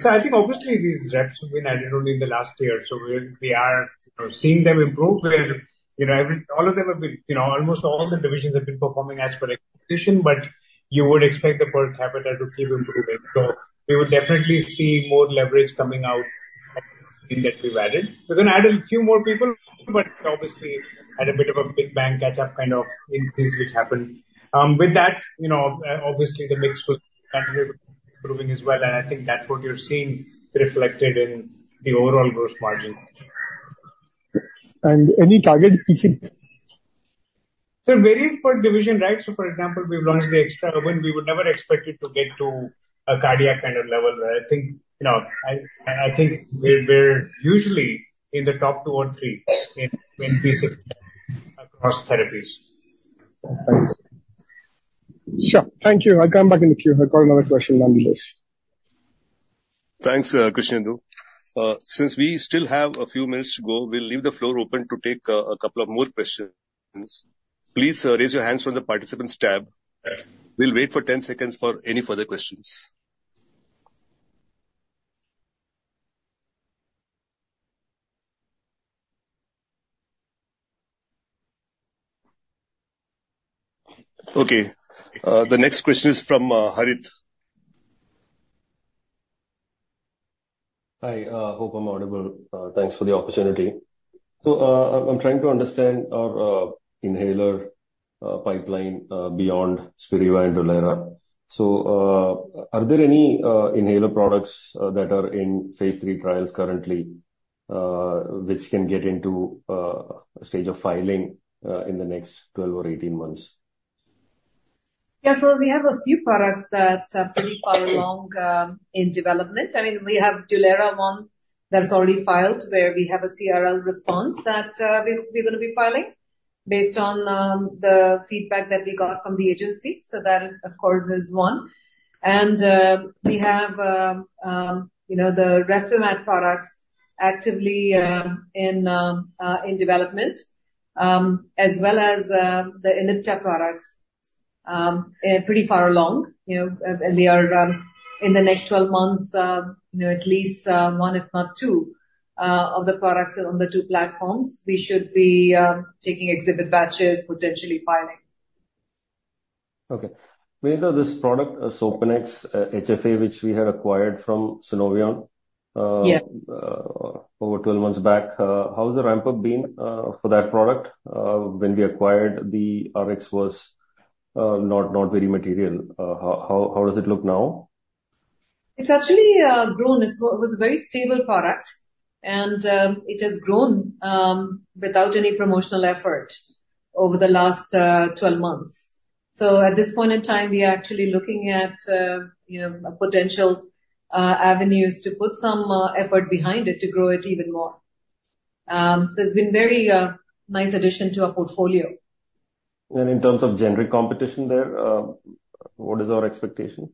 J: So I think obviously these reps have been added only in the last year, so we are, you know, seeing them improve. And, you know, every-- all of them have been, you know, almost all the divisions have been performing as per expectation, but you would expect the per capita to keep improving. So we will definitely see more leverage coming out in that we've added. We're gonna add a few more people, but obviously had a bit of a big bang catch-up kind of increase, which happened. With that, you know, obviously, the mix with improving as well, and I think that's what you're seeing reflected in the overall gross margin.
O: Any target PC?
J: It varies per division, right? For example, we've launched the Extra-Urban. We would never expect it to get to a cardiac kind of level, where I think, you know, I think we're usually in the top two or three in PC across therapies.
O: Thanks. Sure. Thank you. I'll come back in the queue. I've got another question down the list.
A: Thanks, Krishnendu. Since we still have a few minutes to go, we'll leave the floor open to take a couple of more questions. Please, raise your hands from the participants tab. We'll wait for 10 seconds for any further questions. Okay, the next question is from Harith.
P: Hi, hope I'm audible. Thanks for the opportunity. So, I'm trying to understand our inhaler pipeline beyond Spiriva and Dulera. So, are there any inhaler products that are in phase III trials currently, which can get into a stage of filing in the next 12 months or 18 months?
B: Yeah, so we have a few products that are pretty far along in development. I mean, we have Dulera, one that's already filed, where we have a CRL response that we, we're gonna be filing based on the feedback that we got from the agency. So that, of course, is one. And we have, you know, the Respimat products actively in development as well as the Ellipta products pretty far along. You know, and they are in the next 12 months, you know, at least one, if not two, of the products on the two platforms, we should be taking exhibit batches, potentially filing.
P: Okay. Ma'am, this product, Xopenex HFA, which we had acquired from Sunovion--
B: Yeah.
P: Over 12 months back, how has the ramp up been for that product? When we acquired, the Rx was not very material. How does it look now?
B: It's actually grown. It's was a very stable product, and it has grown without any promotional effort over the last 12 months. So at this point in time, we are actually looking at you know, potential avenues to put some effort behind it, to grow it even more. So it's been very nice addition to our portfolio.
P: In terms of generic competition there, what is our expectation?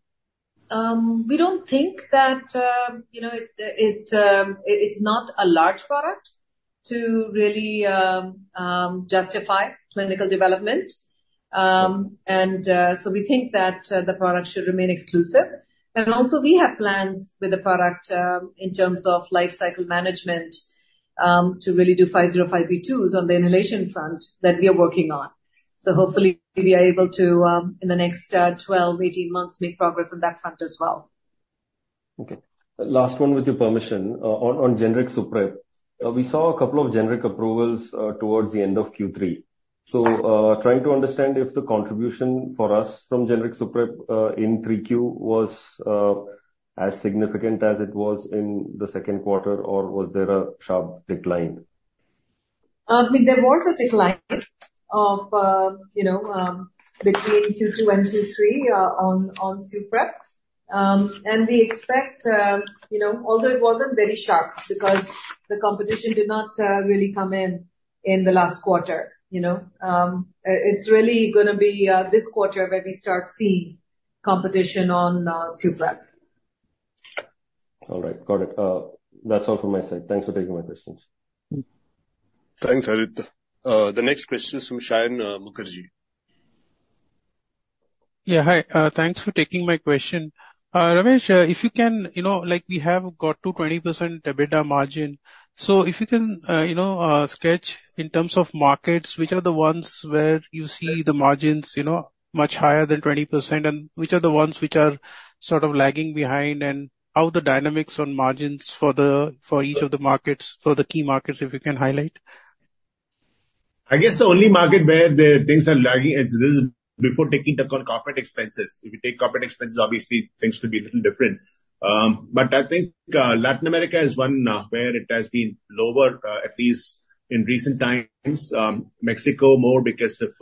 B: We don't think that, you know, it is not a large product to really justify clinical development. And so we think that the product should remain exclusive. And also, we have plans with the product in terms of life cycle management to really do 505(b)(2)s on the inhalation front that we are working on. So hopefully, we are able to, in the next 12-18 months, make progress on that front as well.
P: Okay. Last one, with your permission, on generic Suprep. We saw a couple of generic approvals, towards the end of Q3.
B: Yes.
P: Trying to understand if the contribution for us from generic Suprep in 3Q was as significant as it was in the second quarter, or was there a sharp decline?
B: There was a decline of, you know, between Q2 and Q3, on Suprep. And we expect, you know, although it wasn't very sharp, because the competition did not really come in in the last quarter, you know. It's really gonna be this quarter where we start seeing competition on Suprep.
P: All right. Got it. That's all from my side. Thanks for taking my questions.
F: Thanks, Harith. The next question is from Saion Mukherjee.
Q: Yeah, hi. Thanks for taking my question. Ramesh, if you can, you know, like, we have got to 20% EBITDA margin. So if you can, you know, sketch in terms of markets, which are the ones where you see the margins, you know, much higher than 20%, and which are the ones which are sort of lagging behind? And how the dynamics on margins for each of the markets, for the key markets, if you can highlight.
C: I guess the only market where the things are lagging, is this before taking into account corporate expenses. If you take corporate expenses, obviously things could be a little different. But I think, Latin America is one, where it has been lower, at least in recent times. Mexico, more because of,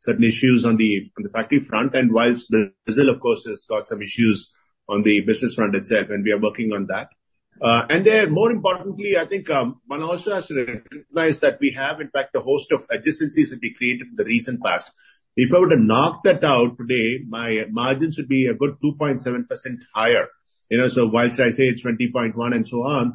C: certain issues on the factory front, and whilst Brazil, of course, has got some issues on the business front itself, and we are working on that. And then more importantly, I think, one also has to recognize that we have in fact a host of adjacencies that we created in the recent past. If I were to knock that out today, my margins would be a good 2.7% higher, you know? So while I say it's 20.1, and so on,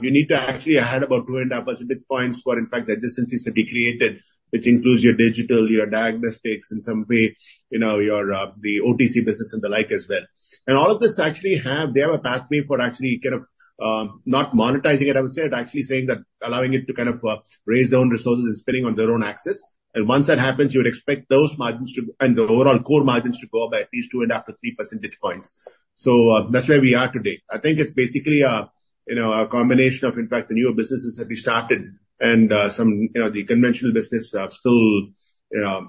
C: we need to actually add about 2.5 percentage points for in fact, the adjacencies that we created, which includes your digital, your diagnostics, in some way, you know, your, the OTC business and the like as well. And all of this actually have, they have a pathway for actually kind of, not monetizing it, I would say, but actually saying that allowing it to kind of, raise their own resources and spinning on their own axis. And once that happens, you would expect those margins to, and the overall core margins to go up by at least 2.5-3 percentage points. So, that's where we are today. I think it's basically a, you know, a combination of, in fact, the newer businesses that we started and, you know, the conventional business are still, you know,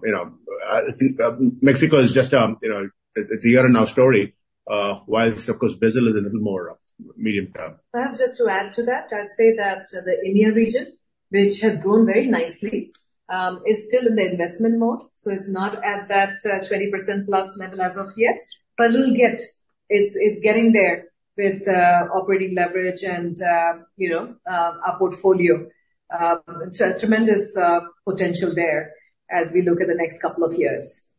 C: Mexico is just, you know, it's a year-and-a-half story, while of course, Brazil is a little more medium term.
B: Perhaps just to add to that, I'd say that the India region, which has grown very nicely, is still in the investment mode, so it's not at that 20%+ level as of yet, but it'll get. It's getting there with operating leverage and, you know, our portfolio. So tremendous potential there as we look at the next couple of years.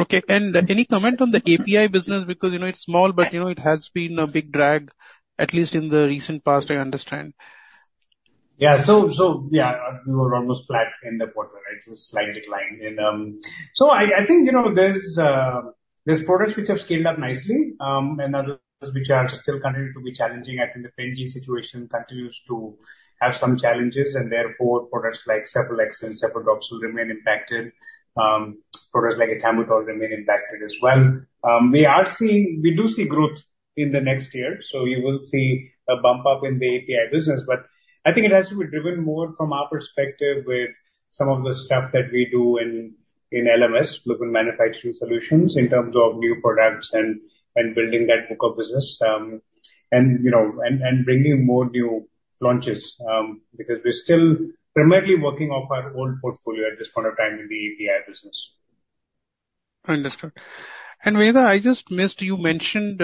Q: Okay. Any comment on the API business? Because, you know, it's small, but you know, it has been a big drag, at least in the recent past, I understand.
J: Yeah. So yeah, we were almost flat in the quarter, right? It was slightly declined. So I think, you know, there's products which have scaled up nicely, and others which are still continuing to be challenging. I think the Pen G situation continues to have some challenges, and therefore products like Cephalexin and Cefadroxil will remain impacted. Products like Cefaclor remain impacted as well. We do see growth in the next year, so you will see a bump up in the API business, but I think it has to be driven more from our perspective with some of the stuff that we do in LMS, Lupin Manufacturing Solutions, in terms of new products and building that book of business. You know, bringing more new launches, because we're still primarily working off our old portfolio at this point of time in the API business.
Q: Understood. Vinita, I just missed, you mentioned,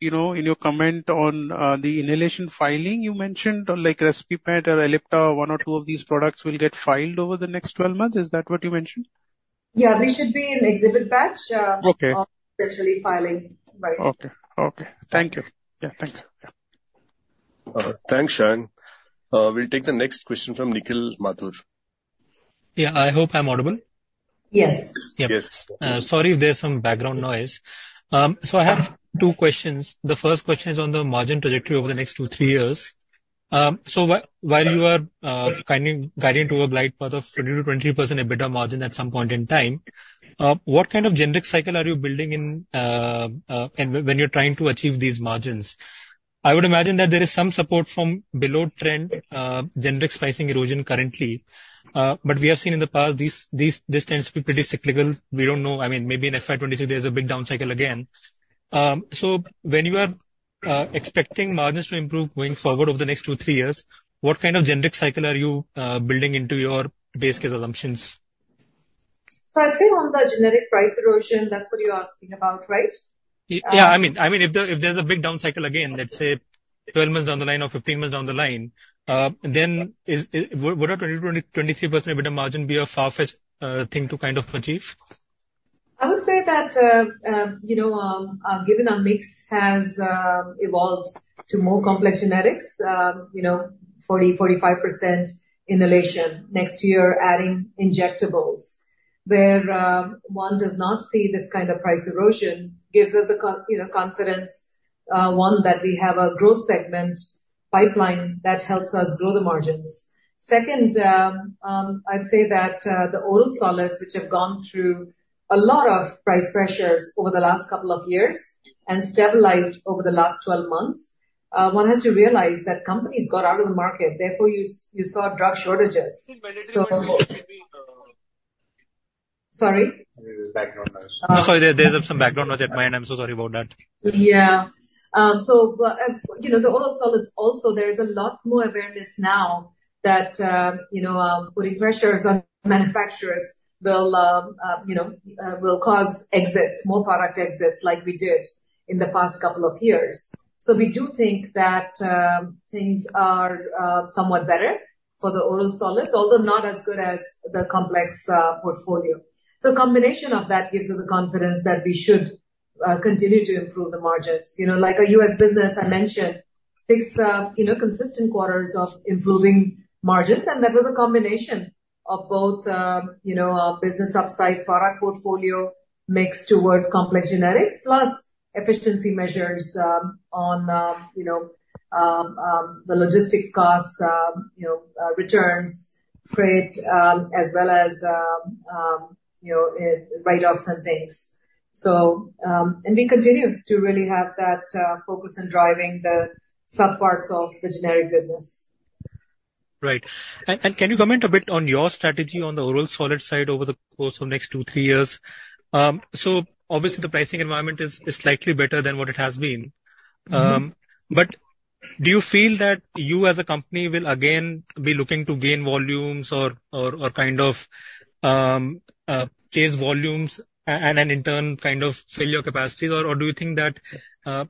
Q: you know, in your comment on the inhalation filing, you mentioned on, like, Respimat or Ellipta, one or two of these products will get filed over the next 12 months. Is that what you mentioned?
B: Yeah, they should be in exhibit batch.
Q: Okay.
B: Potentially filing by--
Q: Okay. Okay, thank you. Yeah, thank you. Yeah.
F: Thanks, Saion. We'll take the next question from Nikhil Mathur.
R: Yeah. I hope I'm audible.
B: Yes.
F: Yes.
R: Yeah. Sorry if there's some background noise. I have two questions. The first question is on the margin trajectory over the next 2-3 years. While you are guiding to a glide path of 20%-23% EBITDA margin at some point in time, what kind of generic cycle are you building in, and when you're trying to achieve these margins? I would imagine that there is some support from below trend generic pricing erosion currently. But we have seen in the past, this tends to be pretty cyclical. We don't know, I mean, maybe in FY 2026, there's a big down cycle again. When you are expecting margins to improve going forward over the next 2-3 years, what kind of generic cycle are you building into your base case assumptions?
B: I assume on the generic price erosion, that's what you're asking about, right?
R: Yeah, I mean, if there's a big down cycle again, let's say 12 months down the line or 15 months down the line, then is... Would a 20%-23% EBITDA margin be a far-fetched thing to kind of achieve?
B: I would say that, you know, given our mix has evolved to more complex generics, you know, 40-45% inhalation. Next year, adding injectables, where one does not see this kind of price erosion, gives us the confidence one that we have a growth segment pipeline that helps us grow the margins. Second, I'd say that the oral solids, which have gone through a lot of price pressures over the last couple of years and stabilized over the last 12 months, one has to realize that companies got out of the market, therefore, you saw drug shortages.
J: There's some background noise.
B: Sorry?
J: There is background noise.
R: No, sorry, there's, there's some background noise at my end. I'm so sorry about that.
B: Yeah, so, as you know, the oral solids also, there's a lot more awareness now that, you know, putting pressures on manufacturers will, you know, will cause exits, more product exits, like we did in the past couple of years. So we do think that, things are, somewhat better for the oral solids, although not as good as the complex, portfolio. So combination of that gives us the confidence that we should, continue to improve the margins. You know, like our U.S. business, I mentioned six consistent quarters of improving margins, and that was a combination of both, you know, our business upsized product portfolio mix towards complex generics, plus efficiency measures, on, you know, the logistics costs, you know, returns, freight, as well as, you know, write-offs and things. So, and we continue to really have that focus in driving the subparts of the generic business.
R: Right. And can you comment a bit on your strategy on the oral solid side over the course of next two, three years? Obviously, the pricing environment is slightly better than what it has been. But do you feel that you, as a company, will again be looking to gain volumes or kind of chase volumes and then, in turn, kind of fill your capacities? Or do you think that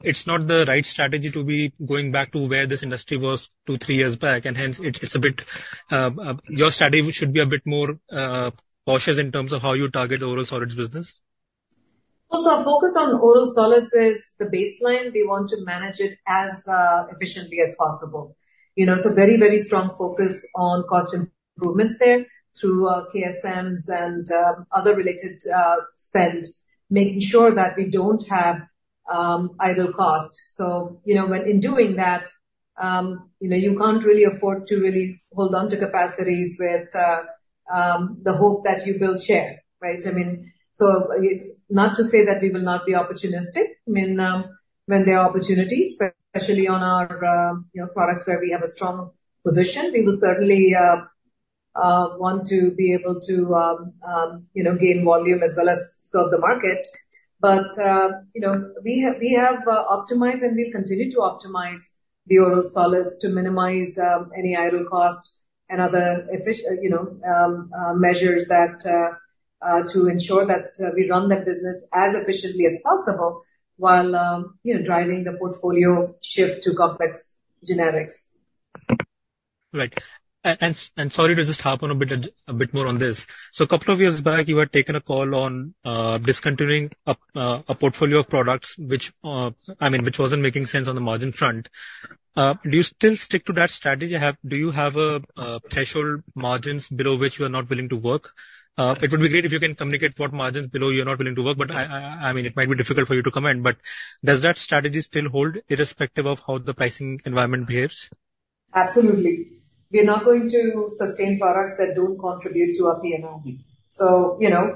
R: it's not the right strategy to be going back to where this industry was two, three years back, and hence, it's a bit your strategy should be a bit more cautious in terms of how you target the oral solids business?
B: Well, so our focus on the oral solids is the baseline. We want to manage it as efficiently as possible. You know, so very, very strong focus on cost improvements there through KSMs and other related spend, making sure that we don't have idle costs. So, you know, when in doing that, you know, you can't really afford to really hold on to capacities with the hope that you will share, right? I mean, so it's not to say that we will not be opportunistic. I mean, when there are opportunities, especially on our, you know, products where we have a strong position, we will certainly want to be able to, you know, gain volume as well as serve the market. But, you know, we have, we have, optimized, and we'll continue to optimize the oral solids to minimize any idle costs and other measures that to ensure that we run that business as efficiently as possible, while, you know, driving the portfolio shift to complex generics.
R: Right. And sorry to just harp on a bit more on this. So a couple of years back, you had taken a call on discontinuing a portfolio of products which, I mean, which wasn't making sense on the margin front. Do you still stick to that strategy? Do you have a threshold margins below which you are not willing to work? It would be great if you can communicate what margins below you're not willing to work, but I mean, it might be difficult for you to comment, but does that strategy still hold irrespective of how the pricing environment behaves?
B: Absolutely. We are not going to sustain products that don't contribute to our P&L. So, you know,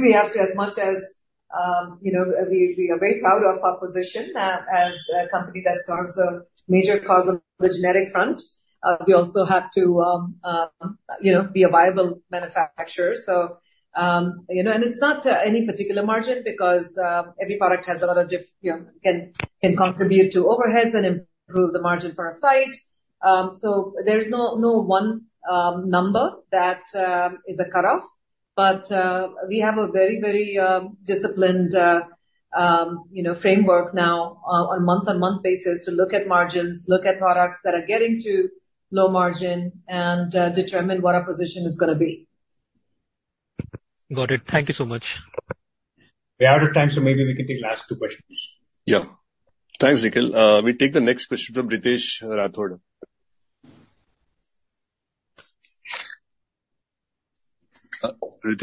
B: we have to, as much as, you know, we are very proud of our position as a company that serves a major cause on the generic front, we also have to, you know, be a viable manufacturer. So, you know, and it's not any particular margin, because every product has a lot of different. You know, can contribute to overheads and improve the margin for a site. So there's no one number that is a cut-off. But we have a very, very disciplined, you know, framework now on month-on-month basis to look at margins, look at products that are getting to low margin, and determine what our position is gonna be.
R: Got it. Thank you so much.
J: We're out of time, so maybe we can take last two questions.
F: Yeah. Thanks, Nikhil. We take the next question from Ritesh Rathod. Ritesh, are you there? Yeah, we take-
S: Yeah. Can you hear me?
F: Yeah, we can.
S: Thank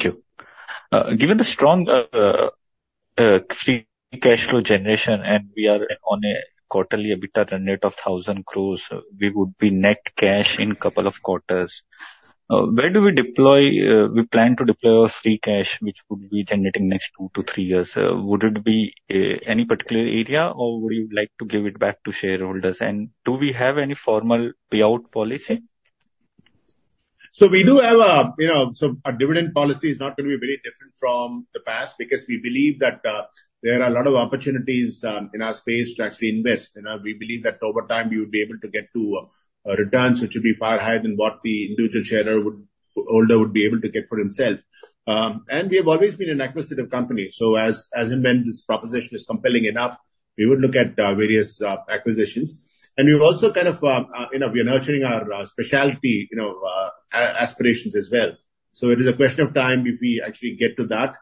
S: you. Given the strong, free cash flow generation, and we are on a quarterly EBITDA run rate of 1,000 crore, we would be net cash in couple of quarters. Where do we deploy, we plan to deploy our free cash, which would be generating next two to three years? Would it be, any particular area, or would you like to give it back to shareholders? And do we have any formal payout policy?
J: So our dividend policy is not going to be very different from the past, because we believe that there are a lot of opportunities in our space to actually invest. You know, we believe that over time, we would be able to get to returns which would be far higher than what the individual shareholder would holder would be able to get for himself. And we have always been an acquisitive company, so as and when this proposition is compelling enough, we would look at various acquisitions. And we've also kind of you know, we are nurturing our specialty you know aspirations as well. So it is a question of time if we actually get to that.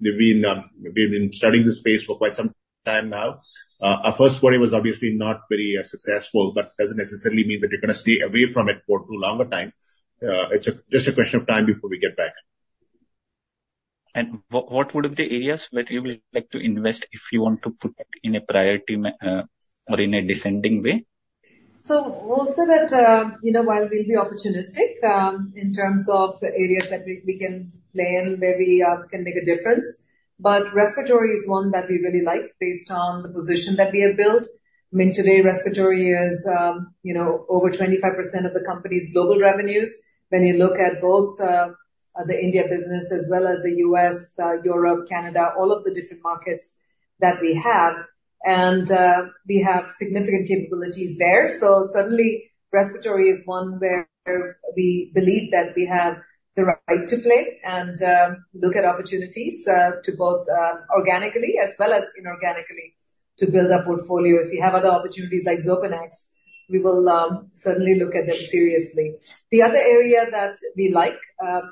J: We've been studying this space for quite some time now. Our first foray was obviously not very successful, but doesn't necessarily mean that we're gonna stay away from it for too longer time. It's just a question of time before we get back.
S: What would be the areas where you would like to invest if you want to put it in a priority, or in a descending way?
B: So also that, you know, while we'll be opportunistic, in terms of the areas that we can play and where we can make a difference. But respiratory is one that we really like based on the position that we have built. I mean, today, respiratory is, you know, over 25% of the company's global revenues. When you look at both, the India business as well as the U.S., Europe, Canada, all of the different markets that we have, and we have significant capabilities there. So certainly respiratory is one where we believe that we have the right to play and look at opportunities, to both, organically as well as inorganically, to build our portfolio. If we have other opportunities like Xopenex, we will certainly look at them seriously. The other area that we like,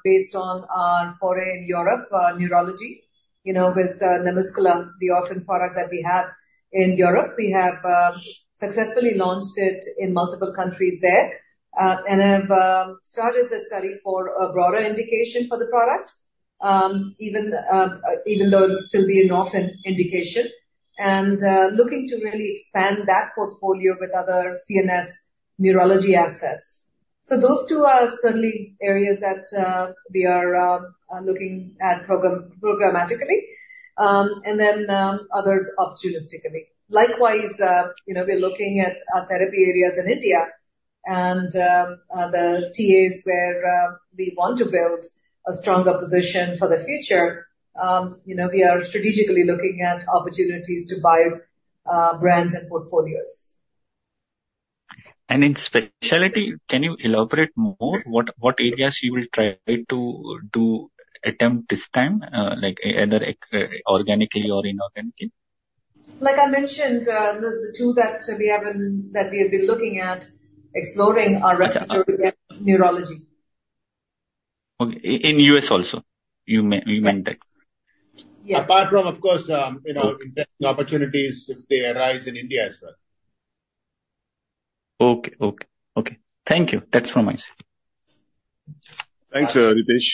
B: based on our foray in Europe, neurology, you know, with NaMuscla, the orphan product that we have in Europe, we have, successfully launched it in multiple countries there, and have, started the study for a broader indication for the product. Even though it'll still be an orphan indication, and, looking to really expand that portfolio with other CNS neurology assets. So those two are certainly areas that, we are, looking at program, programmatically, and then, others opportunistically. Likewise, you know, we're looking at our therapy areas in India and, the TAs where, we want to build a stronger position for the future. You know, we are strategically looking at opportunities to buy, brands and portfolios.
S: In specialty, can you elaborate more what areas you will try to attempt this time, like either organically or inorganically?
B: Like I mentioned, the two that we have been looking at exploring are respiratory and neurology.
S: Okay. In U.S. also, you meant that?
B: Yes.
J: Apart from, of course, you know, opportunities if they arise in India as well.
S: Okay. Thank you. That's from my side.
A: Thanks, Ritesh.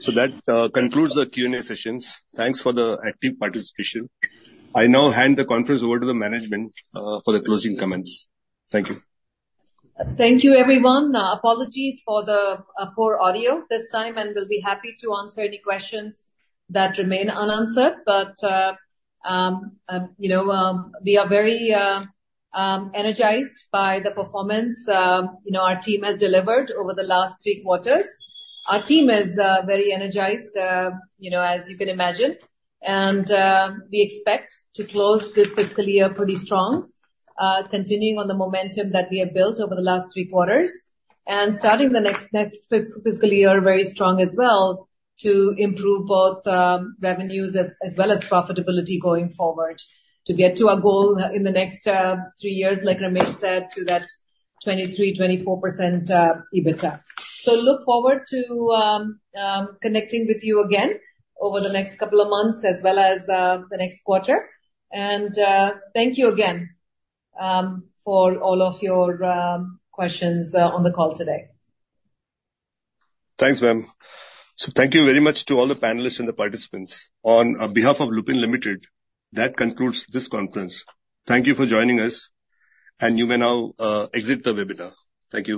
A: So that concludes the Q&A sessions. Thanks for the active participation. I now hand the conference over to the management for the closing comments. Thank you.
B: Thank you, everyone. Apologies for the poor audio this time, and we'll be happy to answer any questions that remain unanswered. But, you know, we are very energized by the performance, you know, our team has delivered over the last three quarters. Our team is very energized, you know, as you can imagine, and we expect to close this fiscal year pretty strong. Continuing on the momentum that we have built over the last three quarters, and starting the next fiscal year, very strong as well, to improve both revenues as well as profitability going forward. To get to our goal in the next three years, like Ramesh said, to that 23%-24% EBITDA. So look forward to connecting with you again over the next couple of months as well as the next quarter. Thank you again for all of your questions on the call today.
F: Thanks, ma'am. So thank you very much to all the panelists and the participants. On behalf of Lupin Limited, that concludes this conference. Thank you for joining us, and you may now exit the webinar. Thank you.